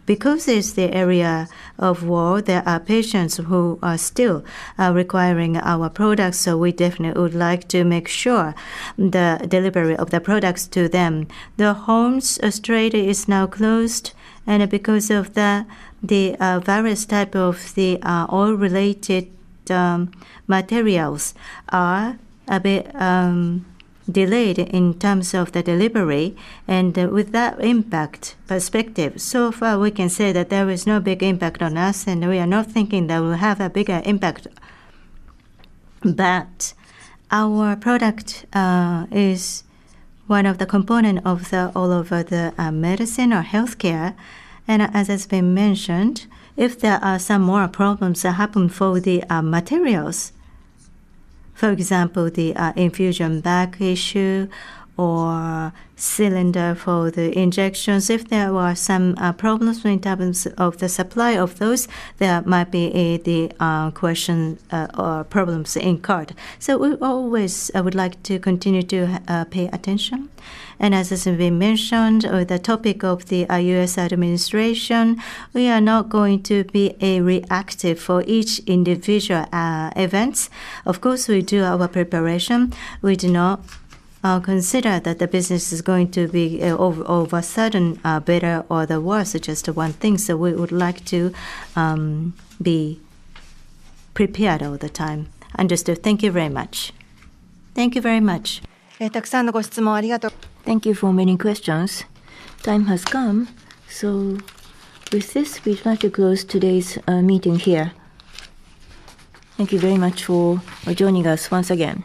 Because it's the area of war, there are patients who are still requiring our products, so we definitely would like to make sure the delivery of the products to them. The Strait of Hormuz is now closed, and because of that, the various type of the oil-related materials are a bit delayed in terms of the delivery. With that impact perspective, so far we can say that there is no big impact on us and we are not thinking that we'll have a bigger impact. Our product is one of the component of the all of the medicine or healthcare. As has been mentioned, if there are some more problems that happen for the materials, for example, the infusion bag issue or cylinder for the injections. If there were some problems in terms of the supply of those, there might be a question or problems incurred. We always would like to continue to pay attention. As has been mentioned, with the topic of the U.S. administration, we are not going to be reactive for each individual events. Of course, we do our preparation. We do not consider that the business is going to be of a sudden better or the worse, just one thing. We would like to be prepared all the time. Understood. Thank you very much. Thank you for many questions. Time has come. With this, we'd like to close today's meeting here. Thank you very much for joining us once again.